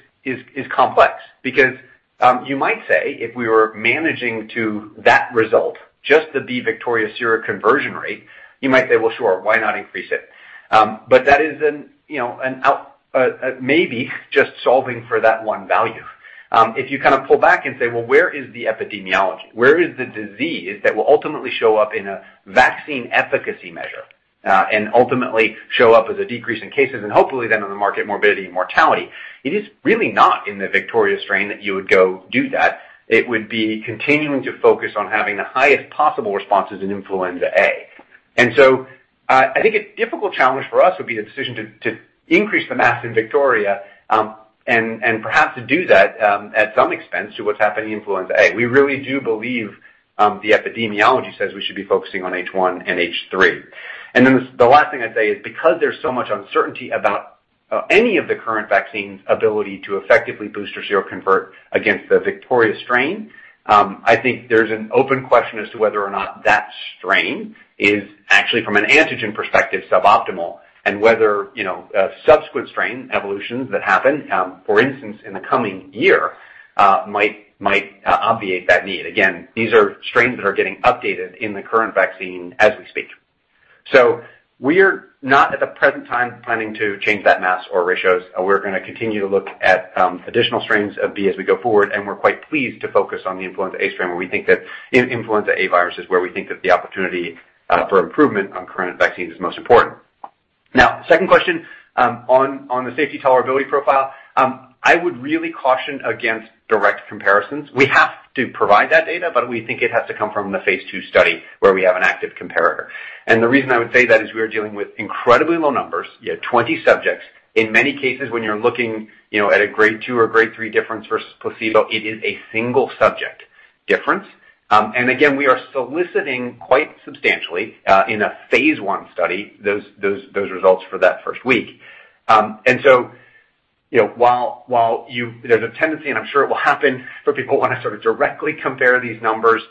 complex because you might say if we were managing to that result, just the B/Victoria seroconversion rate, you might say, "Well, sure, why not increase it?" But that is, you know, maybe just solving for that one value. If you kind of pull back and say, well, where is the epidemiology? Where is the disease that will ultimately show up in a vaccine efficacy measure, and ultimately show up as a decrease in cases and hopefully then on the market, morbidity and mortality. It is really not in the Victoria strain that you would go do that. It would be continuing to focus on having the highest possible responses in influenza A. I think a difficult challenge for us would be the decision to increase the mass in Victoria, and perhaps to do that at some expense to what's happening in influenza A. We really do believe the epidemiology says we should be focusing on H1 and H3. The last thing I'd say is because there's so much uncertainty about any of the current vaccine's ability to effectively boost or seroconvert against the Victoria strain, I think there's an open question as to whether or not that strain is actually, from an antigen perspective, suboptimal and whether, you know, a subsequent strain evolutions that happen for instance, in the coming year, might obviate that need. Again, these are strains that are getting updated in the current vaccine as we speak. We're not at the present time planning to change that mix or ratios. We're gonna continue to look at additional strains of B as we go forward, and we're quite pleased to focus on the influenza A strain, where we think that the influenza A virus is where the opportunity for improvement on current vaccine is most important. Now, second question on the safety tolerability profile, I would really caution against direct comparisons. We have to provide that data, but we think it has to come from the phase II study where we have an active comparator. The reason I would say that is we are dealing with incredibly low numbers, you have 20 subjects. In many cases, when you're looking, you know, at a grade 2 or grade 3 difference versus placebo, it is a single subject difference. We are soliciting quite substantially in a phase I study those results for that first week. You know, while you, there's a tendency, and I'm sure it will happen, for people who wanna sort of directly compare these numbers,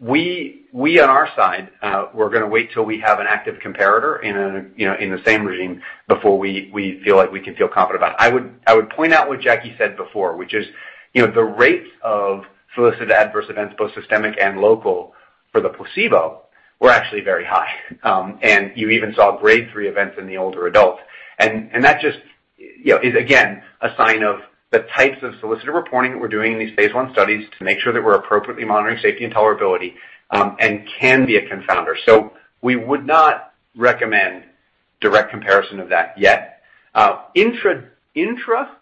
we on our side, we're gonna wait till we have an active comparator in the same regimen before we feel like we can feel confident about it. I would point out what Jacqueline said before, which is, you know, the rates of solicited adverse events, both systemic and local, for the placebo were actually very high. You even saw grade three events in the older adults. That just, you know, is again a sign of the types of solicited reporting that we're doing in these phase I studies to make sure that we're appropriately monitoring safety and tolerability and can be a confounder. We would not recommend direct comparison of that yet. Intra-study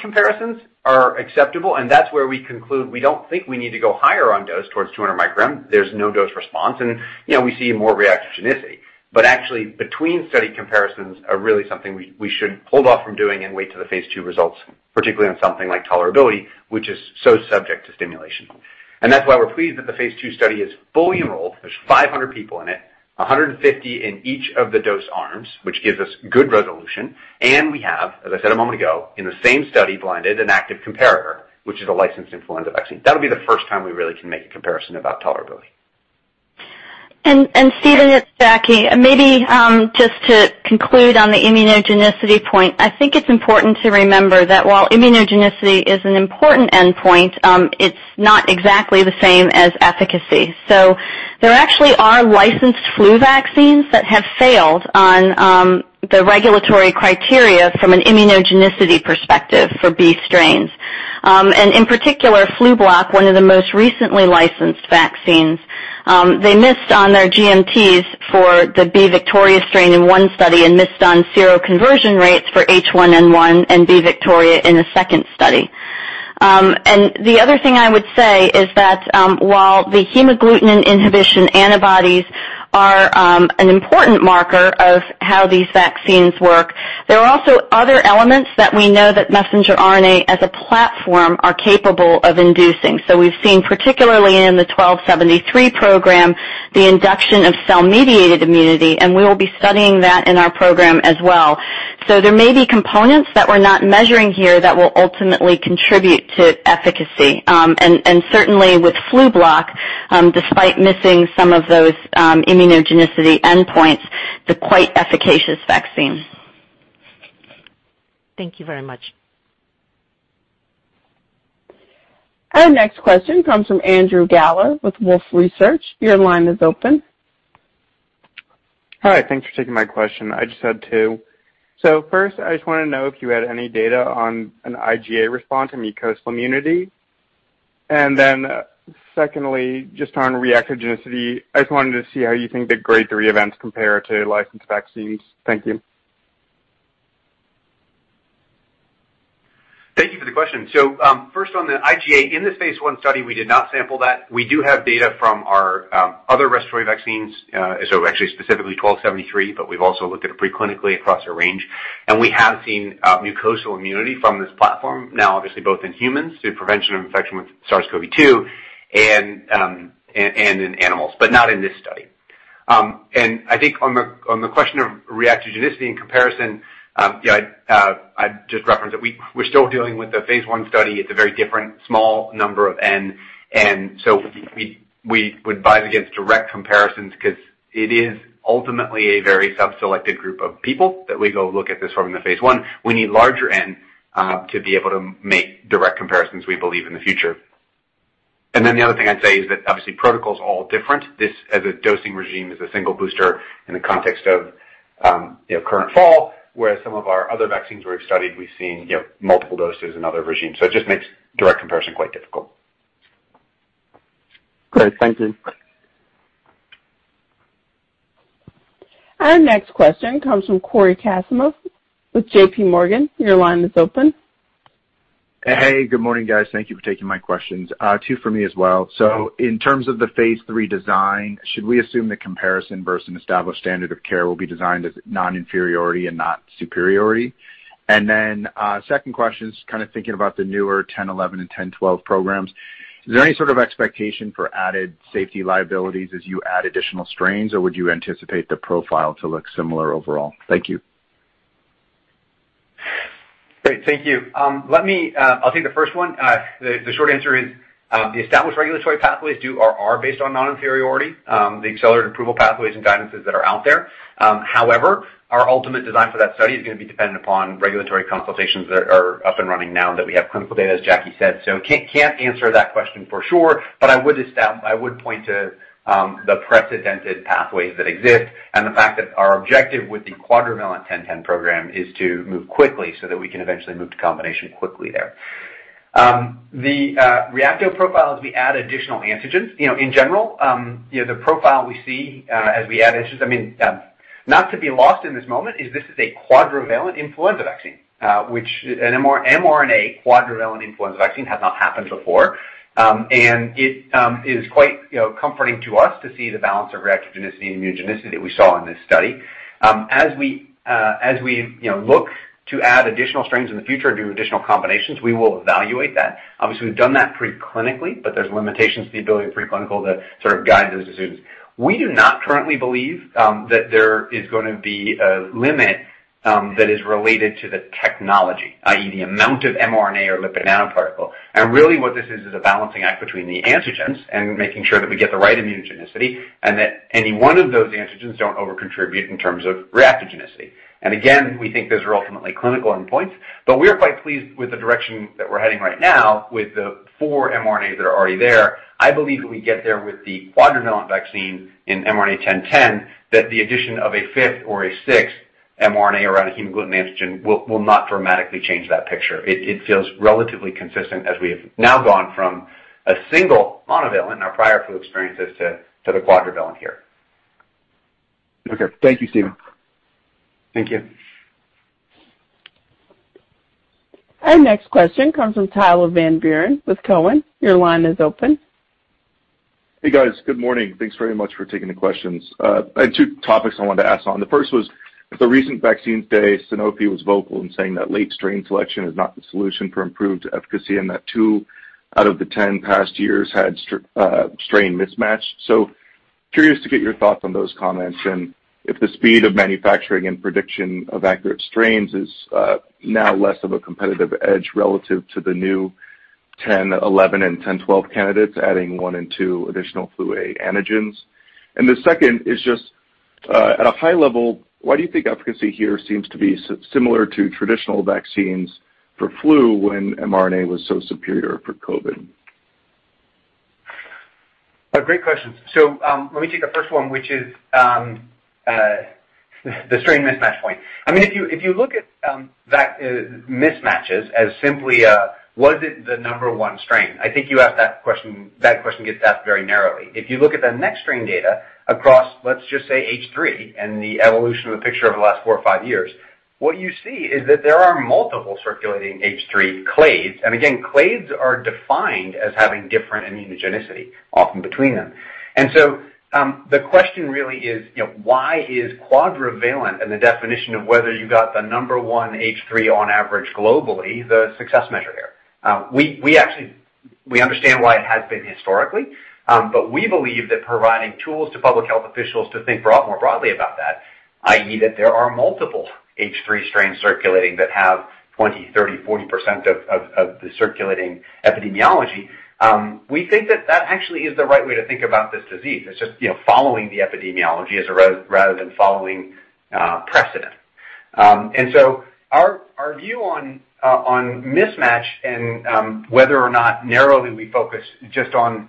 comparisons are acceptable, and that's where we conclude we don't think we need to go higher on dose towards 200 µg. There's no dose response. You know, we see more reactogenicity. Actually, between-study comparisons are really something we should hold off from doing and wait till the phase II results, particularly on something like tolerability, which is so subject to solicitation. That's why we're pleased that the phase II study is fully enrolled. There's 500 people in it, 150 in each of the dose arms, which gives us good resolution. We have, as I said a moment ago, in the same study, blinded, an active comparator, which is a licensed influenza vaccine. That'll be the first time we really can make a comparison about tolerability. Gena, it's Jacqueline. Maybe just to conclude on the immunogenicity point, I think it's important to remember that while immunogenicity is an important endpoint, it's not exactly the same as efficacy. There actually are licensed flu vaccines that have failed on the regulatory criteria from an immunogenicity perspective for B strains. In particular, Flublok, one of the most recently licensed vaccines. They missed on their GMTs for the B/Victoria strain in one study and missed on seroconversion rates for H1N1 and B/Victoria in a second study. The other thing I would say is that, while the hemagglutinin inhibition antibodies are an important marker of how these vaccines work, there are also other elements that we know that messenger RNA as a platform are capable of inducing. We've seen, particularly in the mRNA-1273 program, the induction of cell-mediated immunity, and we will be studying that in our program as well. There may be components that we're not measuring here that will ultimately contribute to efficacy, and certainly with Flublok, despite missing some of those immunogenicity endpoints, it's a quite efficacious vaccine. Thank you very much. Our next question comes from Andrew Galler with Wolfe Research. Your line is open. Hi. Thanks for taking my question. I just had two. First, I just wanna know if you had any data on an IGA response, mucosal immunity. Secondly, just on reactogenicity, I just wanted to see how you think the grade 3 events compare to licensed vaccines. Thank you. Thank you for the question. First on the IGA, in this phase I study, we did not sample that. We do have data from our other respiratory vaccines, so actually specifically mRNA-1273, but we've also looked at it preclinically across a range, and we have seen mucosal immunity from this platform, now obviously both in humans through prevention of infection with SARS-CoV-2 and in animals, but not in this study. I think on the question of reactogenicity in comparison, yeah, I'd just reference that we're still dealing with a phase I study. It's a very different, small number of N, and so we would advise against direct comparisons 'cause it is ultimately a very self-selected group of people that we go look at this from in the phase I. We need larger N to be able to make direct comparisons, we believe, in the future. The other thing I'd say is that obviously protocol's all different. This as a dosing regime is a single booster in the context of, you know, current flu, whereas some of our other vaccines we've studied, we've seen, you know, multiple doses and other regimes. It just makes direct comparison quite difficult. Great. Thank you. Our next question comes from Cory Kasimov with JPMorgan. Your line is open. Hey. Good morning, guys. Thank you for taking my questions. Two for me as well. In terms of the phase III design, should we assume the comparison versus an established standard of care will be designed as non-inferiority and not superiority? Second question is kind of thinking about the newer mRNA-1011 and mRNA-1012 programs. Is there any sort of expectation for added safety liabilities as you add additional strains, or would you anticipate the profile to look similar overall? Thank you. Great. Thank you. Let me, I'll take the first one. The short answer is, the established regulatory pathways do or are based on non-inferiority, the accelerated approval pathways and guidances that are out there. However, our ultimate design for that study is gonna be dependent upon regulatory consultations that are up and running now that we have clinical data, as Jacqueline said. Can't answer that question for sure, but I would point to the precedented pathways that exist and the fact that our objective with the quadrivalent mRNA-1010 program is to move quickly so that we can eventually move to combination quickly there. The reactogenicity profiles, we add additional antigens. You know, in general, you know, the profile we see as we add antigens, I mean, not to be lost in this moment is this is a quadrivalent influenza vaccine, which an mRNA quadrivalent influenza vaccine has not happened before. It is quite, you know, comforting to us to see the balance of reactogenicity and immunogenicity that we saw in this study. As we you know look to add additional strains in the future and do additional combinations, we will evaluate that. Obviously, we've done that pre-clinically, but there's limitations to the ability of pre-clinical to sort of guide those decisions. We do not currently believe that there is gonna be a limit that is related to the technology, i.e., the amount of mRNA or lipid nanoparticle. Really what this is a balancing act between the antigens and making sure that we get the right immunogenicity and that any one of those antigens don't over-contribute in terms of reactogenicity. We think those are ultimately clinical endpoints, but we are quite pleased with the direction that we're heading right now with the four mRNAs that are already there. I believe if we get there with the quadrivalent vaccine in mRNA-1010, that the addition of a fifth or a sixth mRNA around a hemagglutinin antigen will not dramatically change that picture. It feels relatively consistent as we have now gone from a single monovalent in our prior flu experiences to the quadrivalent here. Okay. Thank you, Stephen. Thank you. Our next question comes from Tyler Van Buren with Cowen. Your line is open. Hey, guys. Good morning. Thanks very much for taking the questions. I had two topics I wanted to ask on. The first was at the recent Vaccines Day, Sanofi was vocal in saying that late strain selection is not the solution for improved efficacy and that two out of the 10 past years had strain mismatch. Curious to get your thoughts on those comments and if the speed of manufacturing and prediction of accurate strains is now less of a competitive edge relative to the new mRNA-1011 and mRNA-1012 candidates adding one and two additional flu A antigens. The second is just at a high level, why do you think efficacy here seems to be similar to traditional vaccines for flu when mRNA was so superior for COVID? Great questions. Let me take the first one, which is the strain mismatch point. I mean, if you look at that mismatch as simply, was it, the number one strain? I think you asked that question. That question gets asked very narrowly. If you look at the Nextstrain data across, let's just say H3 and the evolution of the picture over the last four or five years, what you see is that there are multiple circulating H3 clades. Again, clades are defined as having different immunogenicity often between them. The question really is, you know, why is quadrivalent and the definition of whether you got the number one H3 on average globally the success measure here? We actually understand why it has been historically, but we believe that providing tools to public health officials to think more broadly about that, i.e., that there are multiple H3 strains circulating that have 20%, 30%, 40% of the circulating epidemiology. We think that actually is the right way to think about this disease. It's just, you know, following the epidemiology as rather than following precedent. Our view on mismatch and whether or not narrowly we focus just on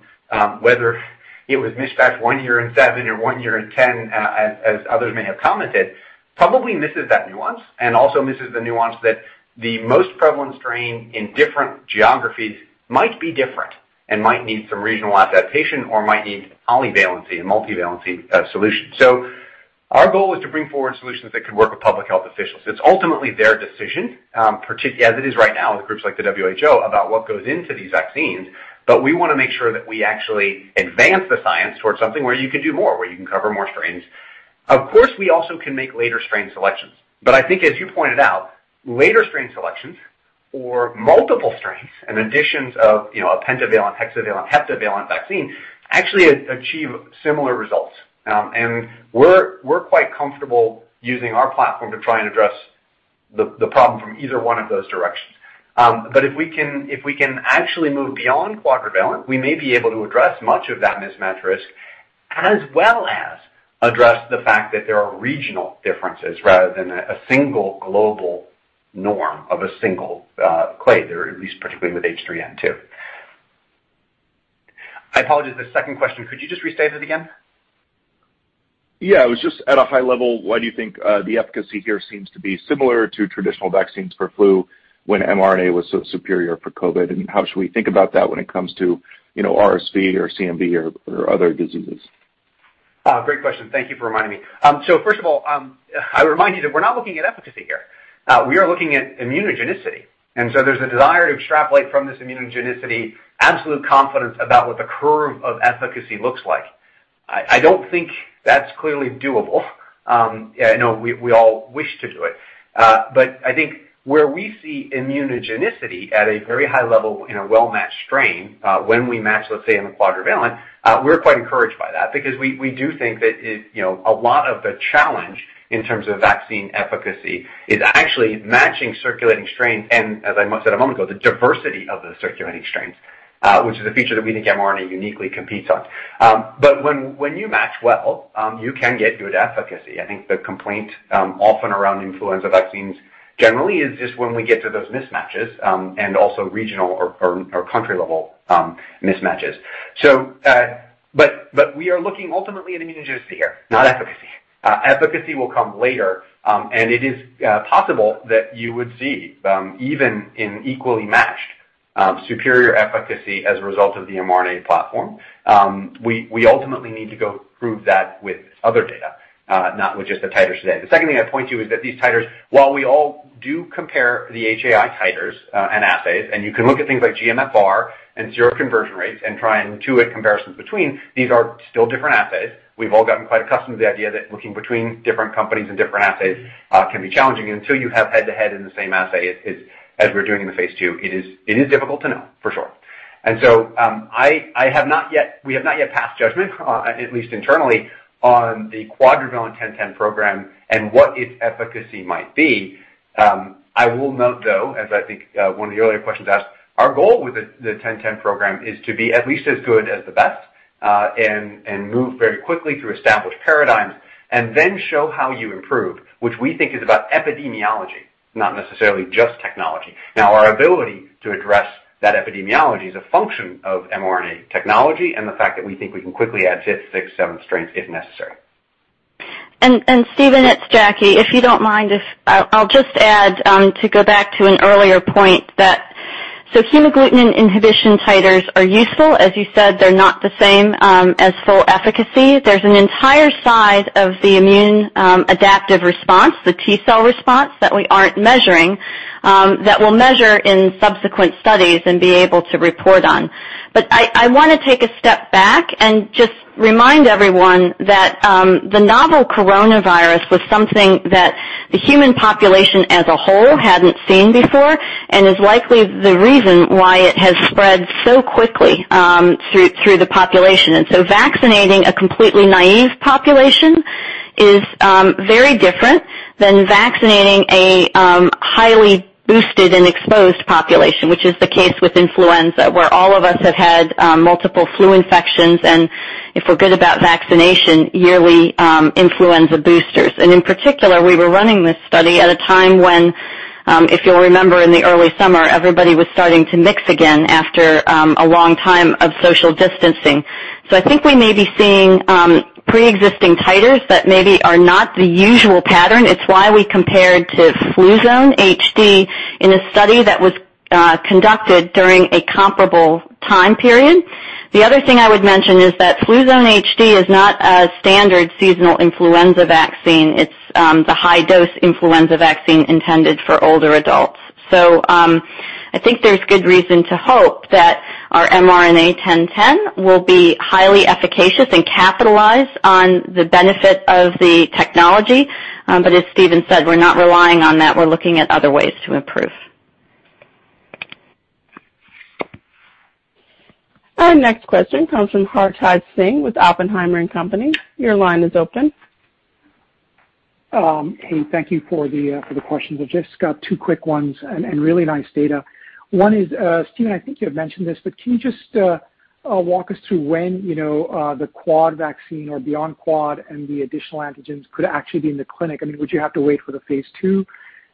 whether it was mismatched one year in seven or one year in 10, as others may have commented, probably misses that nuance and also misses the nuance that the most prevalent strain in different geographies might be different and might need some regional adaptation or might need polyvalency and multivalency solutions. Our goal is to bring forward solutions that could work with public health officials. It's ultimately their decision, particularly as it is right now with groups like the WHO, about what goes into these vaccines. We wanna make sure that we actually advance the science towards something where you can do more, where you can cover more strains. Of course, we also can make later strain selections, but I think as you pointed out, later strain selections or multiple strains and additions of, you know, a pentavalent, hexavalent, heptavalent vaccine actually achieve similar results. We're quite comfortable using our platform to try and address the problem from either one of those directions. If we can actually move beyond quadrivalent, we may be able to address much of that mismatch risk, as well as address the fact that there are regional differences rather than a single global norm of a single clade, or at least particularly with H3N2. I apologize. The second question, could you just restate it again? Yeah. It was just at a high level, why do you think the efficacy here seems to be similar to traditional vaccines for flu when mRNA was superior for COVID, and how should we think about that when it comes to, you know, RSV or CMV or other diseases? Great question. Thank you for reminding me. First of all, I would remind you that we're not looking at efficacy here. We are looking at immunogenicity, and so there's a desire to extrapolate from this immunogenicity absolute confidence about what the curve of efficacy looks like. I don't think that's clearly doable. I know we all wish to do it. I think where we see immunogenicity at a very high level in a well-matched strain, when we match, let's say in the quadrivalent, we're quite encouraged by that because we do think that it. You know, a lot of the challenge in terms of vaccine efficacy is actually matching circulating strains and, as I said a moment ago, the diversity of the circulating strains, which is a feature that we think mRNA uniquely competes on. When you match well, you can get good efficacy. I think the complaint often around influenza vaccines generally is just when we get to those mismatches, and also regional or country-level mismatches. We are looking ultimately at immunogenicity here, not efficacy. Efficacy will come later, and it is possible that you would see even in equally matched superior efficacy as a result of the mRNA platform. We ultimately need to go prove that with other data, not with just the titers today. The second thing I'd point to is that these titers, while we all do compare the HAI titers and assays, and you can look at things like GMFR and seroconversion rates and try and intuit comparisons between these, are still different assays. We've all gotten quite accustomed to the idea that looking between different companies and different assays can be challenging. Until you have head-to-head in the same assay as we're doing in the phase II, it is difficult to know for sure. We have not yet passed judgment, at least internally, on the quadrivalent mRNA-1010 program and what its efficacy might be. I will note though, as I think one of the earlier questions asked, our goal with the mRNA-1010 program is to be at least as good as the best, and move very quickly through established paradigms and then show how you improve, which we think is about epidemiology, not necessarily just technology. Now, our ability to address that epidemiology is a function of mRNA technology and the fact that we think we can quickly add fifth, sixth, seventh strains if necessary. It's Jacqueline. If you don't mind, I'll just add to go back to an earlier point that hemagglutinin inhibition titers are useful. As you said, they're not the same as full efficacy. There's an entire side of the immune adaptive response, the T-cell response that we aren't measuring that we'll measure in subsequent studies and be able to report on. I wanna take a step back and just remind everyone that the novel coronavirus was something that the human population as a whole hadn't seen before and is likely the reason why it has spread so quickly through the population. Vaccinating a completely naive population is very different than vaccinating a highly boosted and exposed population, which is the case with influenza, where all of us have had multiple flu infections and, if we're good about vaccination, yearly influenza boosters. In particular, we were running this study at a time when, if you'll remember in the early summer, everybody was starting to mix again after a long time of social distancing. I think we may be seeing pre-existing titers that maybe are not the usual pattern. It's why we compared to Fluzone HD in a study that was conducted during a comparable time period. The other thing I would mention is that Fluzone HD is not a standard seasonal influenza vaccine. It's the high-dose influenza vaccine intended for older adults. I think there's good reason to hope that our mRNA-1010 will be highly efficacious and capitalize on the benefit of the technology. As Stephen said, we're not relying on that. We're looking at other ways to improve. Our next question comes from Hartaj Singh with Oppenheimer & Co. Your line is open. Hey, thank you for the questions. I've just got two quick ones and really nice data. One is, Stephen, I think you had mentioned this, but can you just walk us through when, you know, the quad vaccine or beyond quad and the additional antigens could actually be in the clinic? I mean, would you have to wait for the phase II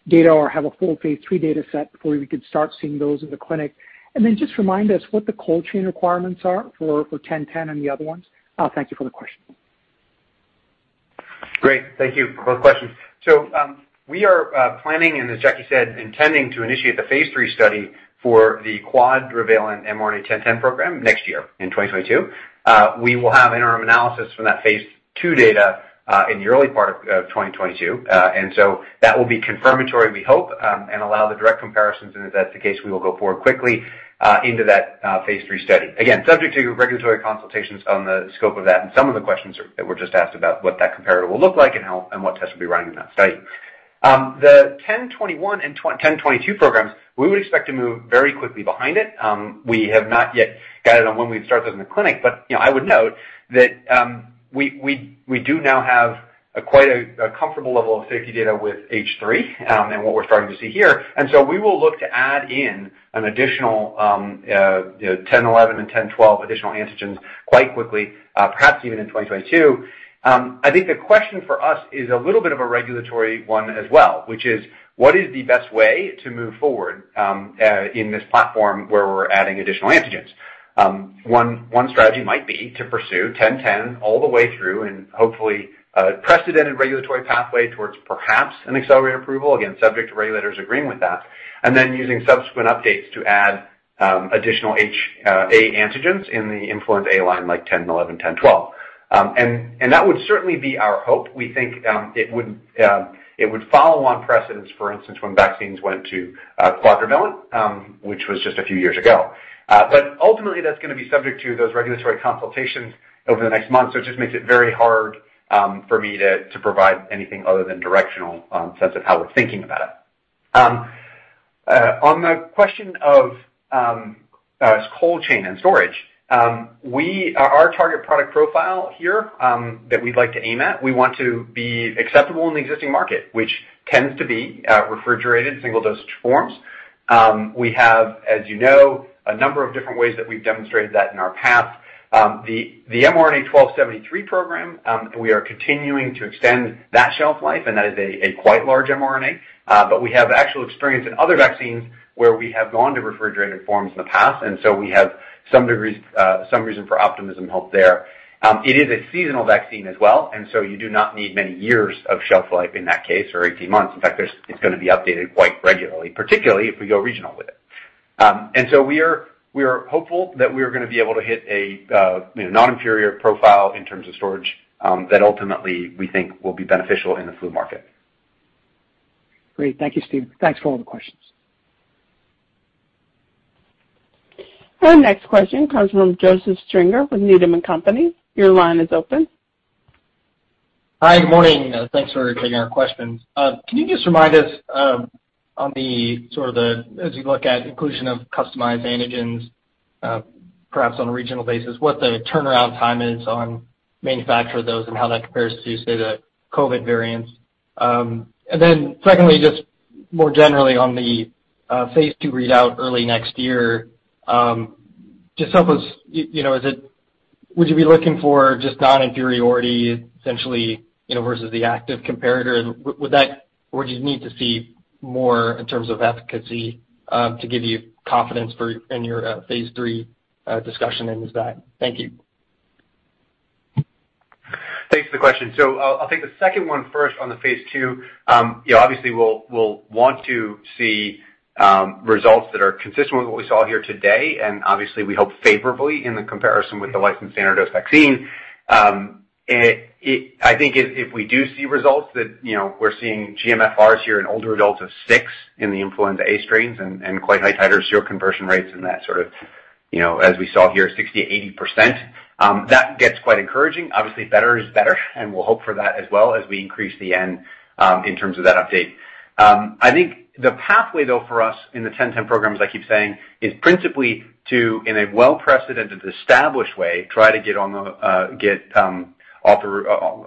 data or have a full phase III data set before we could start seeing those in the clinic? And then just remind us what the cold chain requirements are for mRNA-1010 and the other ones. Thank you for the question. Great. Thank you. Both questions. We are planning, and as Jacqueline said, intending to initiate the phase III study for the quadrivalent mRNA-1010 program next year in 2022. We will have interim analysis from that phase II data in the early part of 2022. That will be confirmatory, we hope, and allow the direct comparisons. If that's the case, we will go forward quickly into that phase III study. Again, subject to regulatory consultations on the scope of that and some of the questions that were just asked about what that comparator will look like and how and what tests will be running in that study. The [mRNA-1011] and [mRNA-1012] programs, we would expect to move very quickly behind it. We have not yet guided on when we'd start those in the clinic, but, you know, I would note that, we do now have quite a comfortable level of safety data with H3, and what we're starting to see here. We will look to add in an additional, you know, mRNA-1011 and mRNA-1012 additional antigens quite quickly, perhaps even in 2022. I think the question for us is a little bit of a regulatory one as well, which is what is the best way to move forward, in this platform where we're adding additional antigens? One strategy might be to pursue mRNA-1010 all the way through and hopefully a precedented regulatory pathway towards perhaps an accelerated approval, again, subject to regulators agreeing with that, and then using subsequent updates to add additional HA antigens in the influenza A line like mRNA-1011, mRNA-1012. That would certainly be our hope. We think it would follow on precedent, for instance, when vaccines went to quadrivalent, which was just a few years ago. Ultimately, that's gonna be subject to those regulatory consultations over the next month, so it just makes it very hard for me to provide anything other than directional sense of how we're thinking about it. On the question of cold chain and storage, our target product profile here that we'd like to aim at, we want to be acceptable in the existing market, which tends to be refrigerated single-dose forms. We have, as you know, a number of different ways that we've demonstrated that in our past. The mRNA-1273 program, we are continuing to extend that shelf life, and that is a quite large mRNA. But we have actual experience in other vaccines where we have gone to refrigerated forms in the past, and so we have some reason for optimism, hope there. It is a seasonal vaccine as well, and so you do not need many years of shelf life in that case or 18 months. In fact, it's gonna be updated quite regularly, particularly if we go regional with it. We are hopeful that we are gonna be able to hit a you know non-inferior profile in terms of storage that ultimately we think will be beneficial in the flu market. Great. Thank you, Stephen. Thanks for answering the questions. Our next question comes from Joseph Stringer with Needham & Company. Your line is open. Hi. Good morning. Thanks for taking our questions. Can you just remind us, as you look at inclusion of customized antigens, perhaps on a regional basis, what the turnaround time is on manufacture of those and how that compares to, say, the COVID variants? Then secondly, just more generally on the phase II readout early next year, just help us, you know, would you be looking for just non-inferiority essentially, you know, versus the active comparator? Would that or do you need to see more in terms of efficacy, to give you confidence in your phase III discussion and design? Thank you. Thanks for the question. I'll take the second one first on the phase II. You know, obviously we'll want to see results that are consistent with what we saw here today, and obviously, we hope favorably in the comparison with the licensed standard dose vaccine. I think if we do see results that, you know, we're seeing GMFRs here in older adults of six in the influenza A strains and quite high titer seroconversion rates in that sort of, you know, as we saw here, 60%-80%, that gets quite encouraging. Obviously, better is better, and we'll hope for that as well as we increase the N in terms of that update. I think the pathway though for us in the mRNA-1010 programs, I keep saying, is principally to, in a well precedented established way, try to get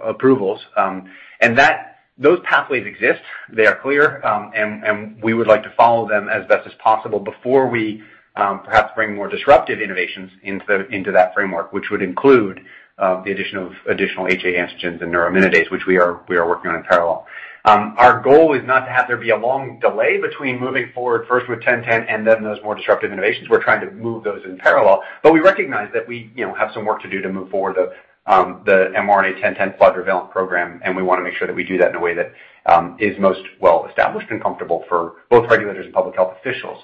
approvals, and that those pathways exist. They are clear, and we would like to follow them as best as possible before we perhaps bring more disruptive innovations into that framework, which would include the addition of additional HA antigens and neuraminidase, which we are working on in parallel. Our goal is not to have there be a long delay between moving forward first with mRNA-1010 and then those more disruptive innovations. We're trying to move those in parallel. We recognize that we, you know, have some work to do to move forward the mRNA-1010 quadrivalent program, and we wanna make sure that we do that in a way that is most well established and comfortable for both regulators and public health officials.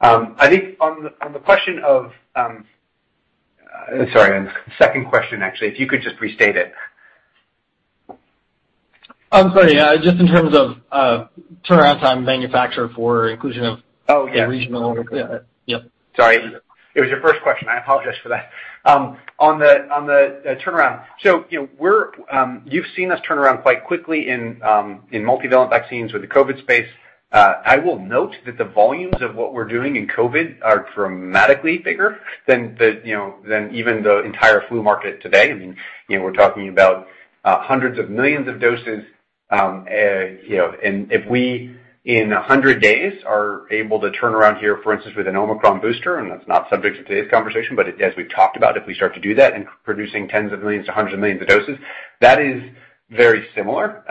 I think on the second question, actually, if you could just restate it. I'm sorry. Just in terms of, turnaround time manufacturer for inclusion of the regional. Yep. Sorry. It was your first question. I apologize for that. On the turnaround. You know, you've seen us turn around quite quickly in multivalent vaccines with the COVID space. I will note that the volumes of what we're doing in COVID are dramatically bigger than the, you know, than even the entire flu market today. I mean, you know, we're talking about hundreds of millions of doses. You know, and if we, in 100 days, are able to turn around here, for instance, with an Omicron booster, and that's not subject to today's conversation, but as we've talked about, if we start to do that and producing tens of millions to hundreds of millions of doses, that is very similar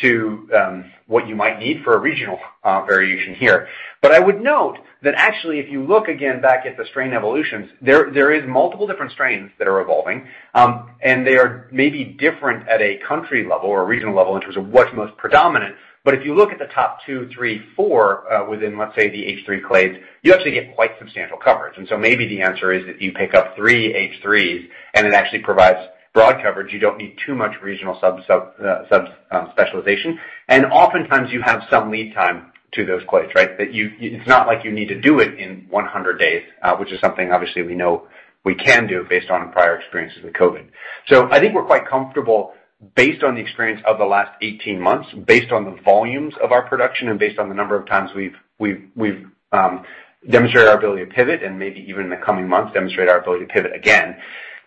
to what you might need for a regional variation here. I would note that actually if you look again back at the strain evolutions, there is multiple different strains that are evolving, and they are maybe different at a country level or a regional level in terms of what's most predominant. If you look at the top two, three, four within, let's say, the H3 clades, you actually get quite substantial coverage. Maybe the answer is if you pick up three H3s and it actually provides broad coverage, you don't need too much regional sub-specialization. Oftentimes you have some lead time to those clades, right? It's not like you need to do it in 100 days, which is something obviously we know we can do based on prior experiences with COVID. I think we're quite comfortable based on the experience of the last 18 months, based on the volumes of our production and based on the number of times we've demonstrated our ability to pivot and maybe even in the coming months demonstrate our ability to pivot again,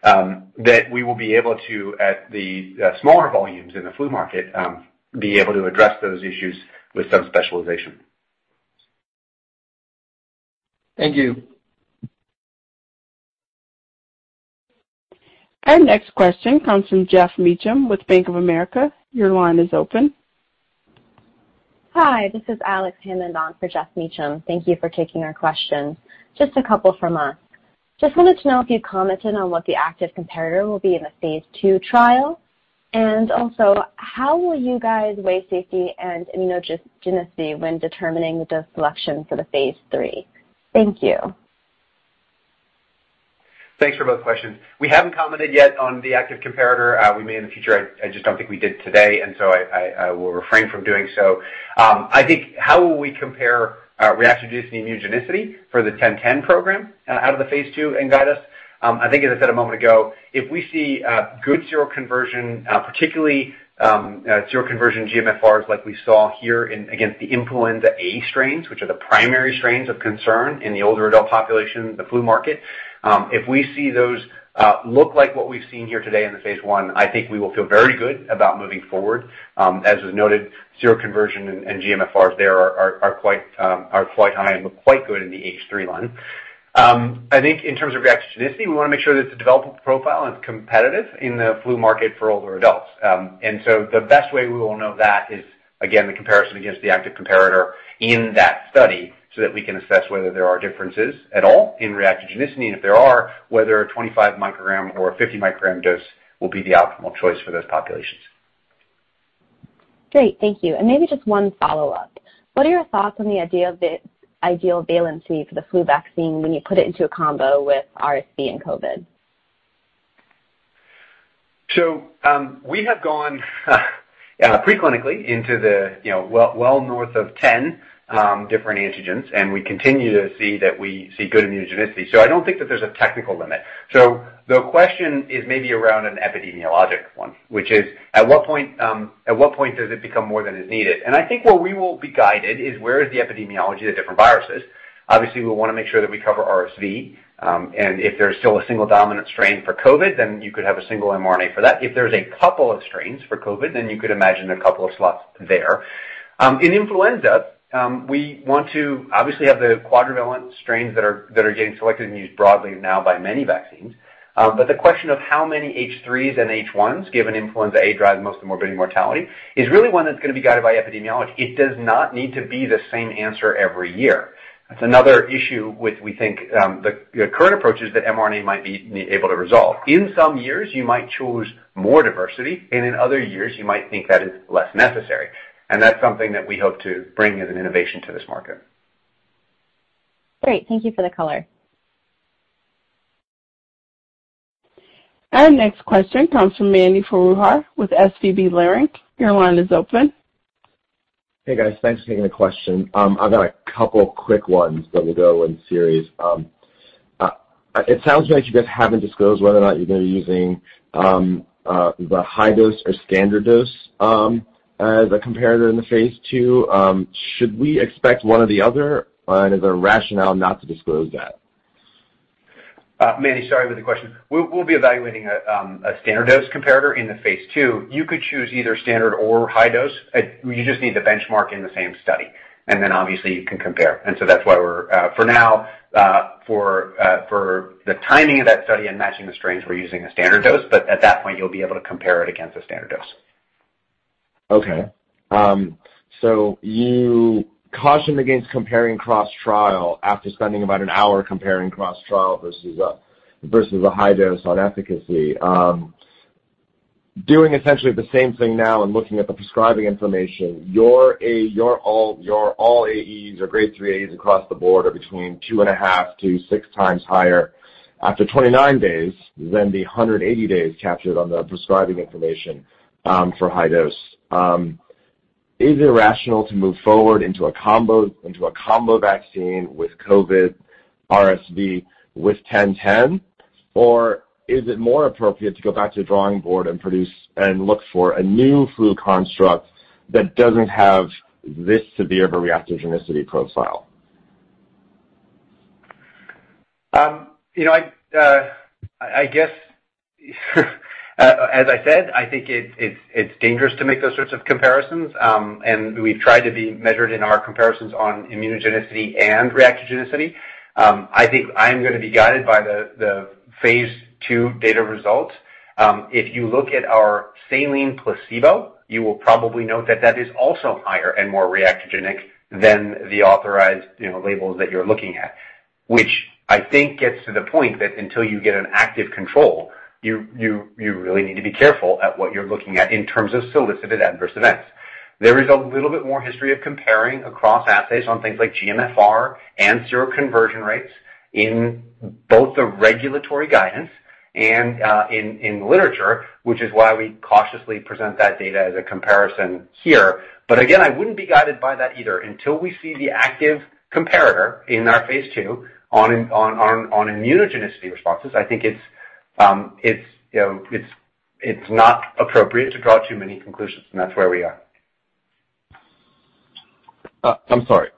that we will be able to, at the smaller volumes in the flu market, be able to address those issues with sub-specialization. Thank you. Our next question comes from Geoff Meacham with Bank of America. Your line is open. Hi, this is Alex Hammond on for Geoff Meacham. Thank you for taking our question. Just a couple from us. Just wanted to know if you commented on what the active comparator will be in the phase II trial. Also, how will you guys weigh safety and immunogenicity when determining the dose selection for the phase III? Thank you. Thanks for both questions. We haven't commented yet on the active comparator. We may in the future. I just don't think we did today, and so I will refrain from doing so. I think how will we compare reactogenicity and immunogenicity for the mRNA-1010 program out of the phase II and guide us? I think, as I said a moment ago, if we see good seroconversion, particularly seroconversion GMFRs like we saw here in against the influenza A strains, which are the primary strains of concern in the older adult population, the flu market, if we see those look like what we've seen here today in the phase I think we will feel very good about moving forward. As was noted, seroconversion and GMFRs there are quite high and look quite good in the H3 line. I think in terms of reactogenicity, we want to make sure that it's a developable profile and it's competitive in the flu market for older adults. The best way we will know that is, again, the comparison against the active comparator in that study so that we can assess whether there are differences at all in reactogenicity, and if there are, whether a 25 µg or a 50 µg dose will be the optimal choice for those populations. Great. Thank you. Maybe just one follow-up. What are your thoughts on the idea of the ideal valency for the flu vaccine when you put it into a combo with RSV and COVID? We have gone pre-clinically into the, you know, well north of 10 different antigens, and we continue to see that we see good immunogenicity. I don't think that there's a technical limit. The question is maybe around an epidemiologic one, which is at what point does it become more than is needed? I think where we will be guided is where is the epidemiology of the different viruses. Obviously, we'll want to make sure that we cover RSV, and if there's still a single dominant strain for COVID, then you could have a single mRNA for that. If there's a couple of strains for COVID, then you could imagine a couple of slots there. In influenza, we want to obviously have the quadrivalent strains that are getting selected and used broadly now by many vaccines. The question of how many H3s and H1s given influenza A drive most of the morbidity and mortality is really one that's gonna be guided by epidemiology. It does not need to be the same answer every year. That's another issue with, we think, the current approaches that mRNA might be able to resolve. In some years, you might choose more diversity, and in other years you might think that is less necessary. That's something that we hope to bring as an innovation to this market. Great. Thank you for the color. Our next question comes from Mani Foroohar with SVB Leerink. Your line is open. Hey, guys. Thanks for taking the question. I've got a couple quick ones that we'll go in series. It sounds like you guys haven't disclosed whether or not you're gonna be using the high dose or standard dose as a comparator in the phase II. Should we expect one or the other, and is there a rationale not to disclose that? Mani, sorry about the question. We'll be evaluating a standard dose comparator in phase II. You could choose either standard or high dose. You just need to benchmark in the same study, and then obviously you can compare. That's why we're for now for the timing of that study and matching the strains, we're using a standard dose. At that point, you'll be able to compare it against a standard dose. You caution against comparing cross-trial after spending about an hour comparing cross-trial versus a high dose on efficacy. Doing essentially the same thing now and looking at the prescribing information, your all AEs, your grade 3 AEs across the board are between 2.5-6x higher after 29 days than the 180 days captured on the prescribing information for high dose. Is it rational to move forward into a combo vaccine with COVID RSV with mRNA-1010? Or is it more appropriate to go back to the drawing board and improve and look for a new flu construct that doesn't have this severe of a reactogenicity profile? You know, I guess as I said, I think it's dangerous to make those sorts of comparisons. We've tried to be measured in our comparisons on immunogenicity and reactogenicity. I think I'm gonna be guided by the phase II data results. If you look at our saline placebo, you will probably note that that is also higher and more reactogenic than the authorized, you know, labels that you're looking at. Which I think gets to the point that until you get an active control, you really need to be careful at what you're looking at in terms of solicited adverse events. There is a little bit more history of comparing across assays on things like GMFR and seroconversion rates in both the regulatory guidance and in literature, which is why we cautiously present that data as a comparison here. Again, I wouldn't be guided by that either until we see the active comparator in our phase II on immunogenicity responses. I think it's, you know, it's not appropriate to draw too many conclusions, and that's where we are. I'm sorry.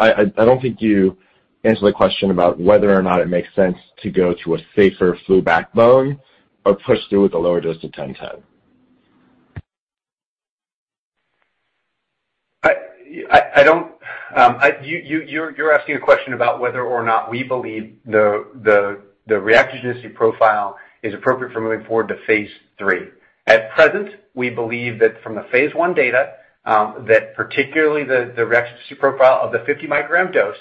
I don't think you answered the question about whether or not it makes sense to go to a safer flu backbone or push through with the lower dose of mRNA-1010. You're asking a question about whether or not we believe the reactogenicity profile is appropriate for moving forward to phase III. At present, we believe that from the phase I data, that particularly the reactogenicity profile of the 50 microgram dose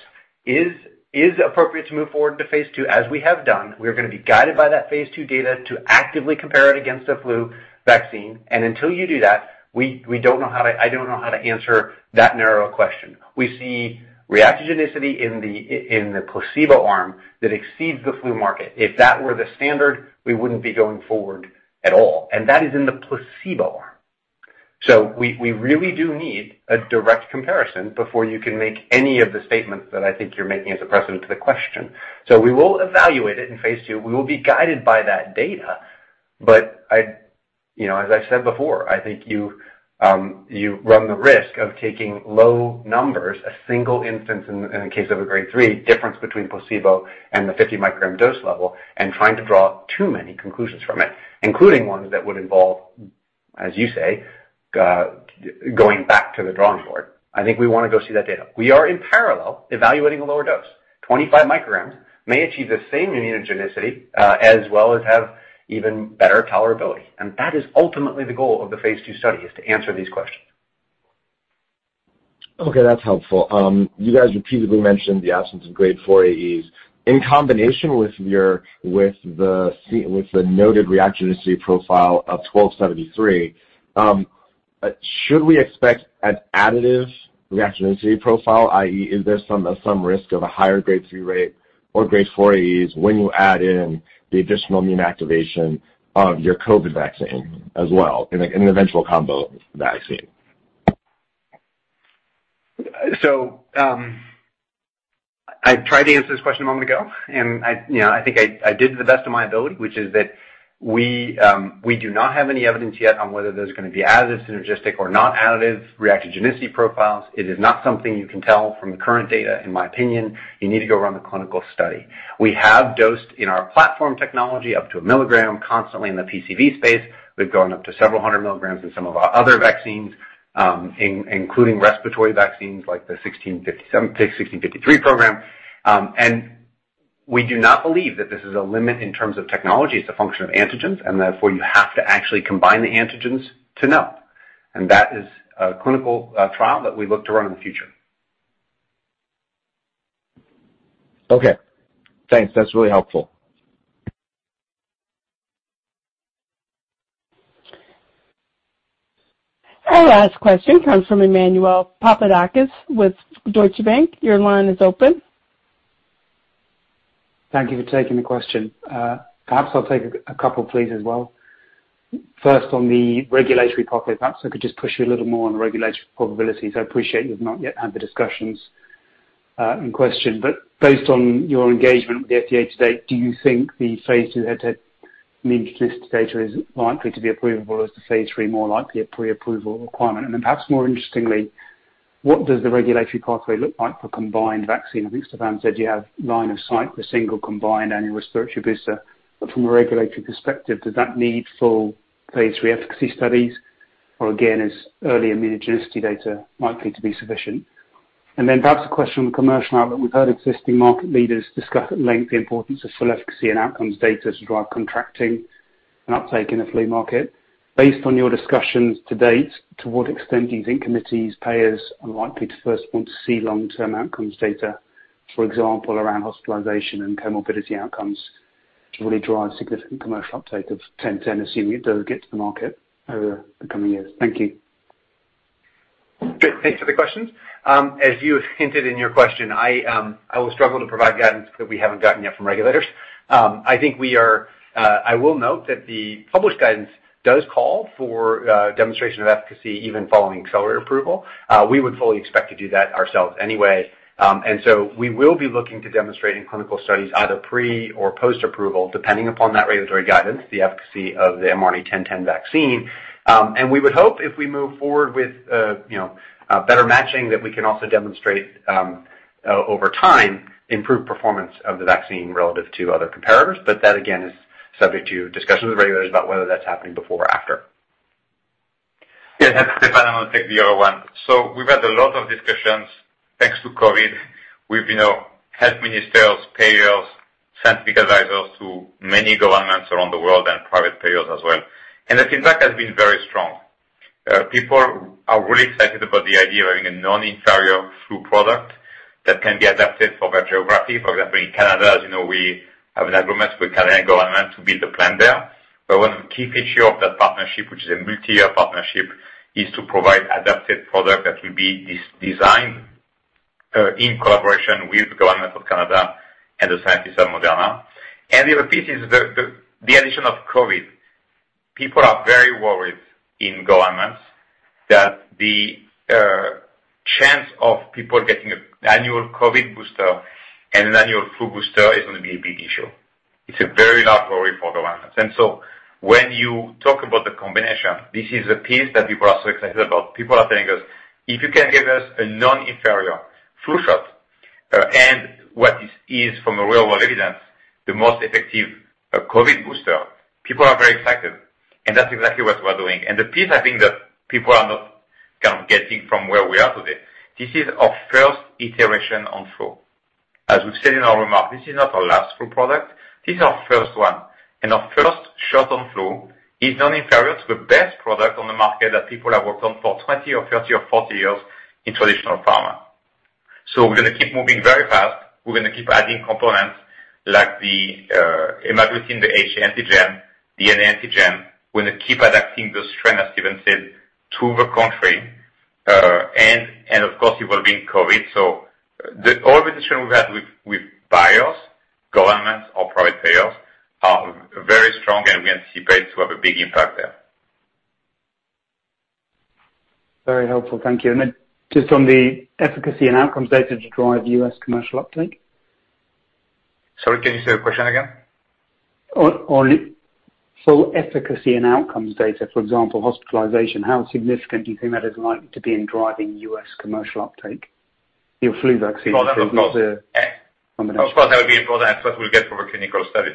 is appropriate to move forward to phase II, as we have done. We're gonna be guided by that phase II data to actively compare it against the flu vaccine. Until you do that, we don't know how to answer that narrow of a question. We see reactogenicity in the placebo arm that exceeds the flu market. If that were the standard, we wouldn't be going forward at all, and that is in the placebo arm. We really do need a direct comparison before you can make any of the statements that I think you're making as a precedent to the question. We will evaluate it in phase II. We will be guided by that data. I, you know, as I said before, I think you run the risk of taking low numbers, a single instance in case of a grade 3 difference between placebo and the 50 µg dose level and trying to draw too many conclusions from it, including ones that would involve, as you say, going back to the drawing board. I think we wanna go see that data. We are in parallel evaluating a lower dose. 25 µg may achieve the same immunogenicity, as well as have even better tolerability. That is ultimately the goal of the phase II study is to answer these questions. Okay, that's helpful. You guys repeatedly mentioned the absence of grade 4 AEs. In combination with your, with the noted reactogenicity profile of mRNA-1273, should we expect an additive reactogenicity profile, i.e., is there some risk of a higher grade 3 rate or grade 4 AEs when you add in the additional immune activation of your COVID vaccine as well in an eventual combo vaccine? I tried to answer this question a moment ago, and you know, I think I did to the best of my ability, which is that we do not have any evidence yet on whether there's gonna be additive synergistic or not additive reactogenicity profiles. It is not something you can tell from the current data in my opinion. You need to go run the clinical study. We have dosed in our platform technology up to 1 mg consistently in the PCV space. We've gone up to several hundred milligrams in some of our other vaccines, including respiratory vaccines like the mRNA-1653 program. We do not believe that this is a limit in terms of technology. It's a function of antigens, and therefore you have to actually combine the antigens to know. That is a clinical trial that we look to run in the future. Okay. Thanks. That's really helpful. Our last question comes from Emmanuel Papadakis with Deutsche Bank. Your line is open. Thank you for taking the question. Perhaps I'll take a couple please as well. First, on the regulatory pathway, perhaps I could just push you a little more on the regulatory probabilities. I appreciate you've not yet had the discussions in question. Based on your engagement with the FDA to date, do you think the phase II head-to-head immunogenicity data is likely to be approvable as the phase III more likely a pre-approval requirement? Then perhaps more interestingly, what does the regulatory pathway look like for combined vaccine? I think Stéphane said you have line of sight for single combined annual respiratory booster. From a regulatory perspective, does that need full phase III efficacy studies or again is early immunogenicity data likely to be sufficient? Perhaps a question on the commercial now that we've heard existing market leaders discuss at length the importance of full efficacy and outcomes data to drive contracting and uptake in the flu market. Based on your discussions to date, to what extent do you think committees, payers are likely to first want to see long-term outcomes data, for example, around hospitalization and comorbidity outcomes to really drive significant commercial uptake of mRNA-1010, assuming it does get to the market over the coming years? Thank you. Thanks for the questions. As you hinted in your question, I will struggle to provide guidance that we haven't gotten yet from regulators. I think I will note that the published guidance does call for demonstration of efficacy even following accelerated approval. We would fully expect to do that ourselves anyway. We will be looking to demonstrating clinical studies either pre or post-approval, depending upon that regulatory guidance, the efficacy of the mRNA-1010 vaccine. We would hope if we move forward with, you know, better matching, that we can also demonstrate over time, improved performance of the vaccine relative to other competitors. That again is subject to discussions with regulators about whether that's happening before or after. Yeah, It's Stéphane. I'll take the other one. We've had a lot of discussions thanks to COVID. We've health ministers, payers, scientific advisors to many governments around the world and private payers as well. The feedback has been very strong. People are really excited about the idea of having a non-inferior flu product that can be adapted for their geography. For example, in Canada, as you know, we have an agreement with Canadian government to build a plant there. One of the key feature of that partnership, which is a multi-year partnership, is to provide adapted product that will be designed in collaboration with the government of Canada and the scientists at Moderna. The other piece is the addition of COVID. People are very worried in governments that the chance of people getting an annual COVID booster and an annual flu booster is gonna be a big issue. It's a very large worry for governments. When you talk about the combination, this is a piece that people are so excited about. People are telling us, "If you can give us a non-inferior flu shot and, from real world evidence, the most effective COVID booster," people are very excited. That's exactly what we're doing. The piece I think that people are not kind of getting from where we are today, this is our first iteration on flu. As we've said in our remarks, this is not our last flu product. This is our first one. Our first shot on flu is non-inferior to the best product on the market that people have worked on for 20 or 30 or 40 years in traditional pharma. We're gonna keep moving very fast. We're gonna keep adding components like the hemagglutinin, the H antigen, the NA antigen. We're gonna keep adapting the strain, as Stephen said, to the country. And of course it will be in COVID. All the discussion we've had with buyers, governments or private payers are very strong, and we anticipate to have a big impact there. Very helpful, thank you. Just on the efficacy and outcomes data to drive U.S. commercial uptake. Sorry, can you say the question again? Efficacy and outcomes data, for example, hospitalization, how significant do you think that is likely to be in driving U.S. commercial uptake? Your flu vaccine- Of course that would be important, that's what we'll get from a clinical study.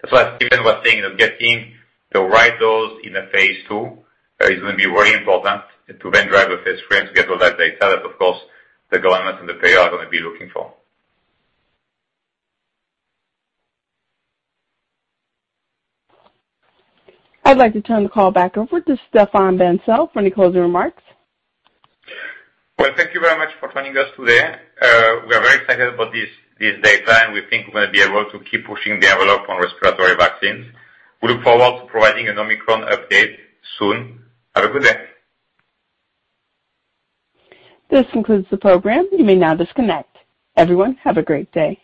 That's why Stephen was saying that getting the right dose in the phase II is gonna be very important to then drive the phase III and to get all that data that of course the government and the payer are gonna be looking for. I'd like to turn the call back over to Stéphane Bancel for any closing remarks. Well, thank you very much for joining us today. We are very excited about this data, and we think we're gonna be able to keep pushing the envelope on respiratory vaccines. We look forward to providing an Omicron update soon. Have a good day. This concludes the program. You may now disconnect. Everyone, have a great day.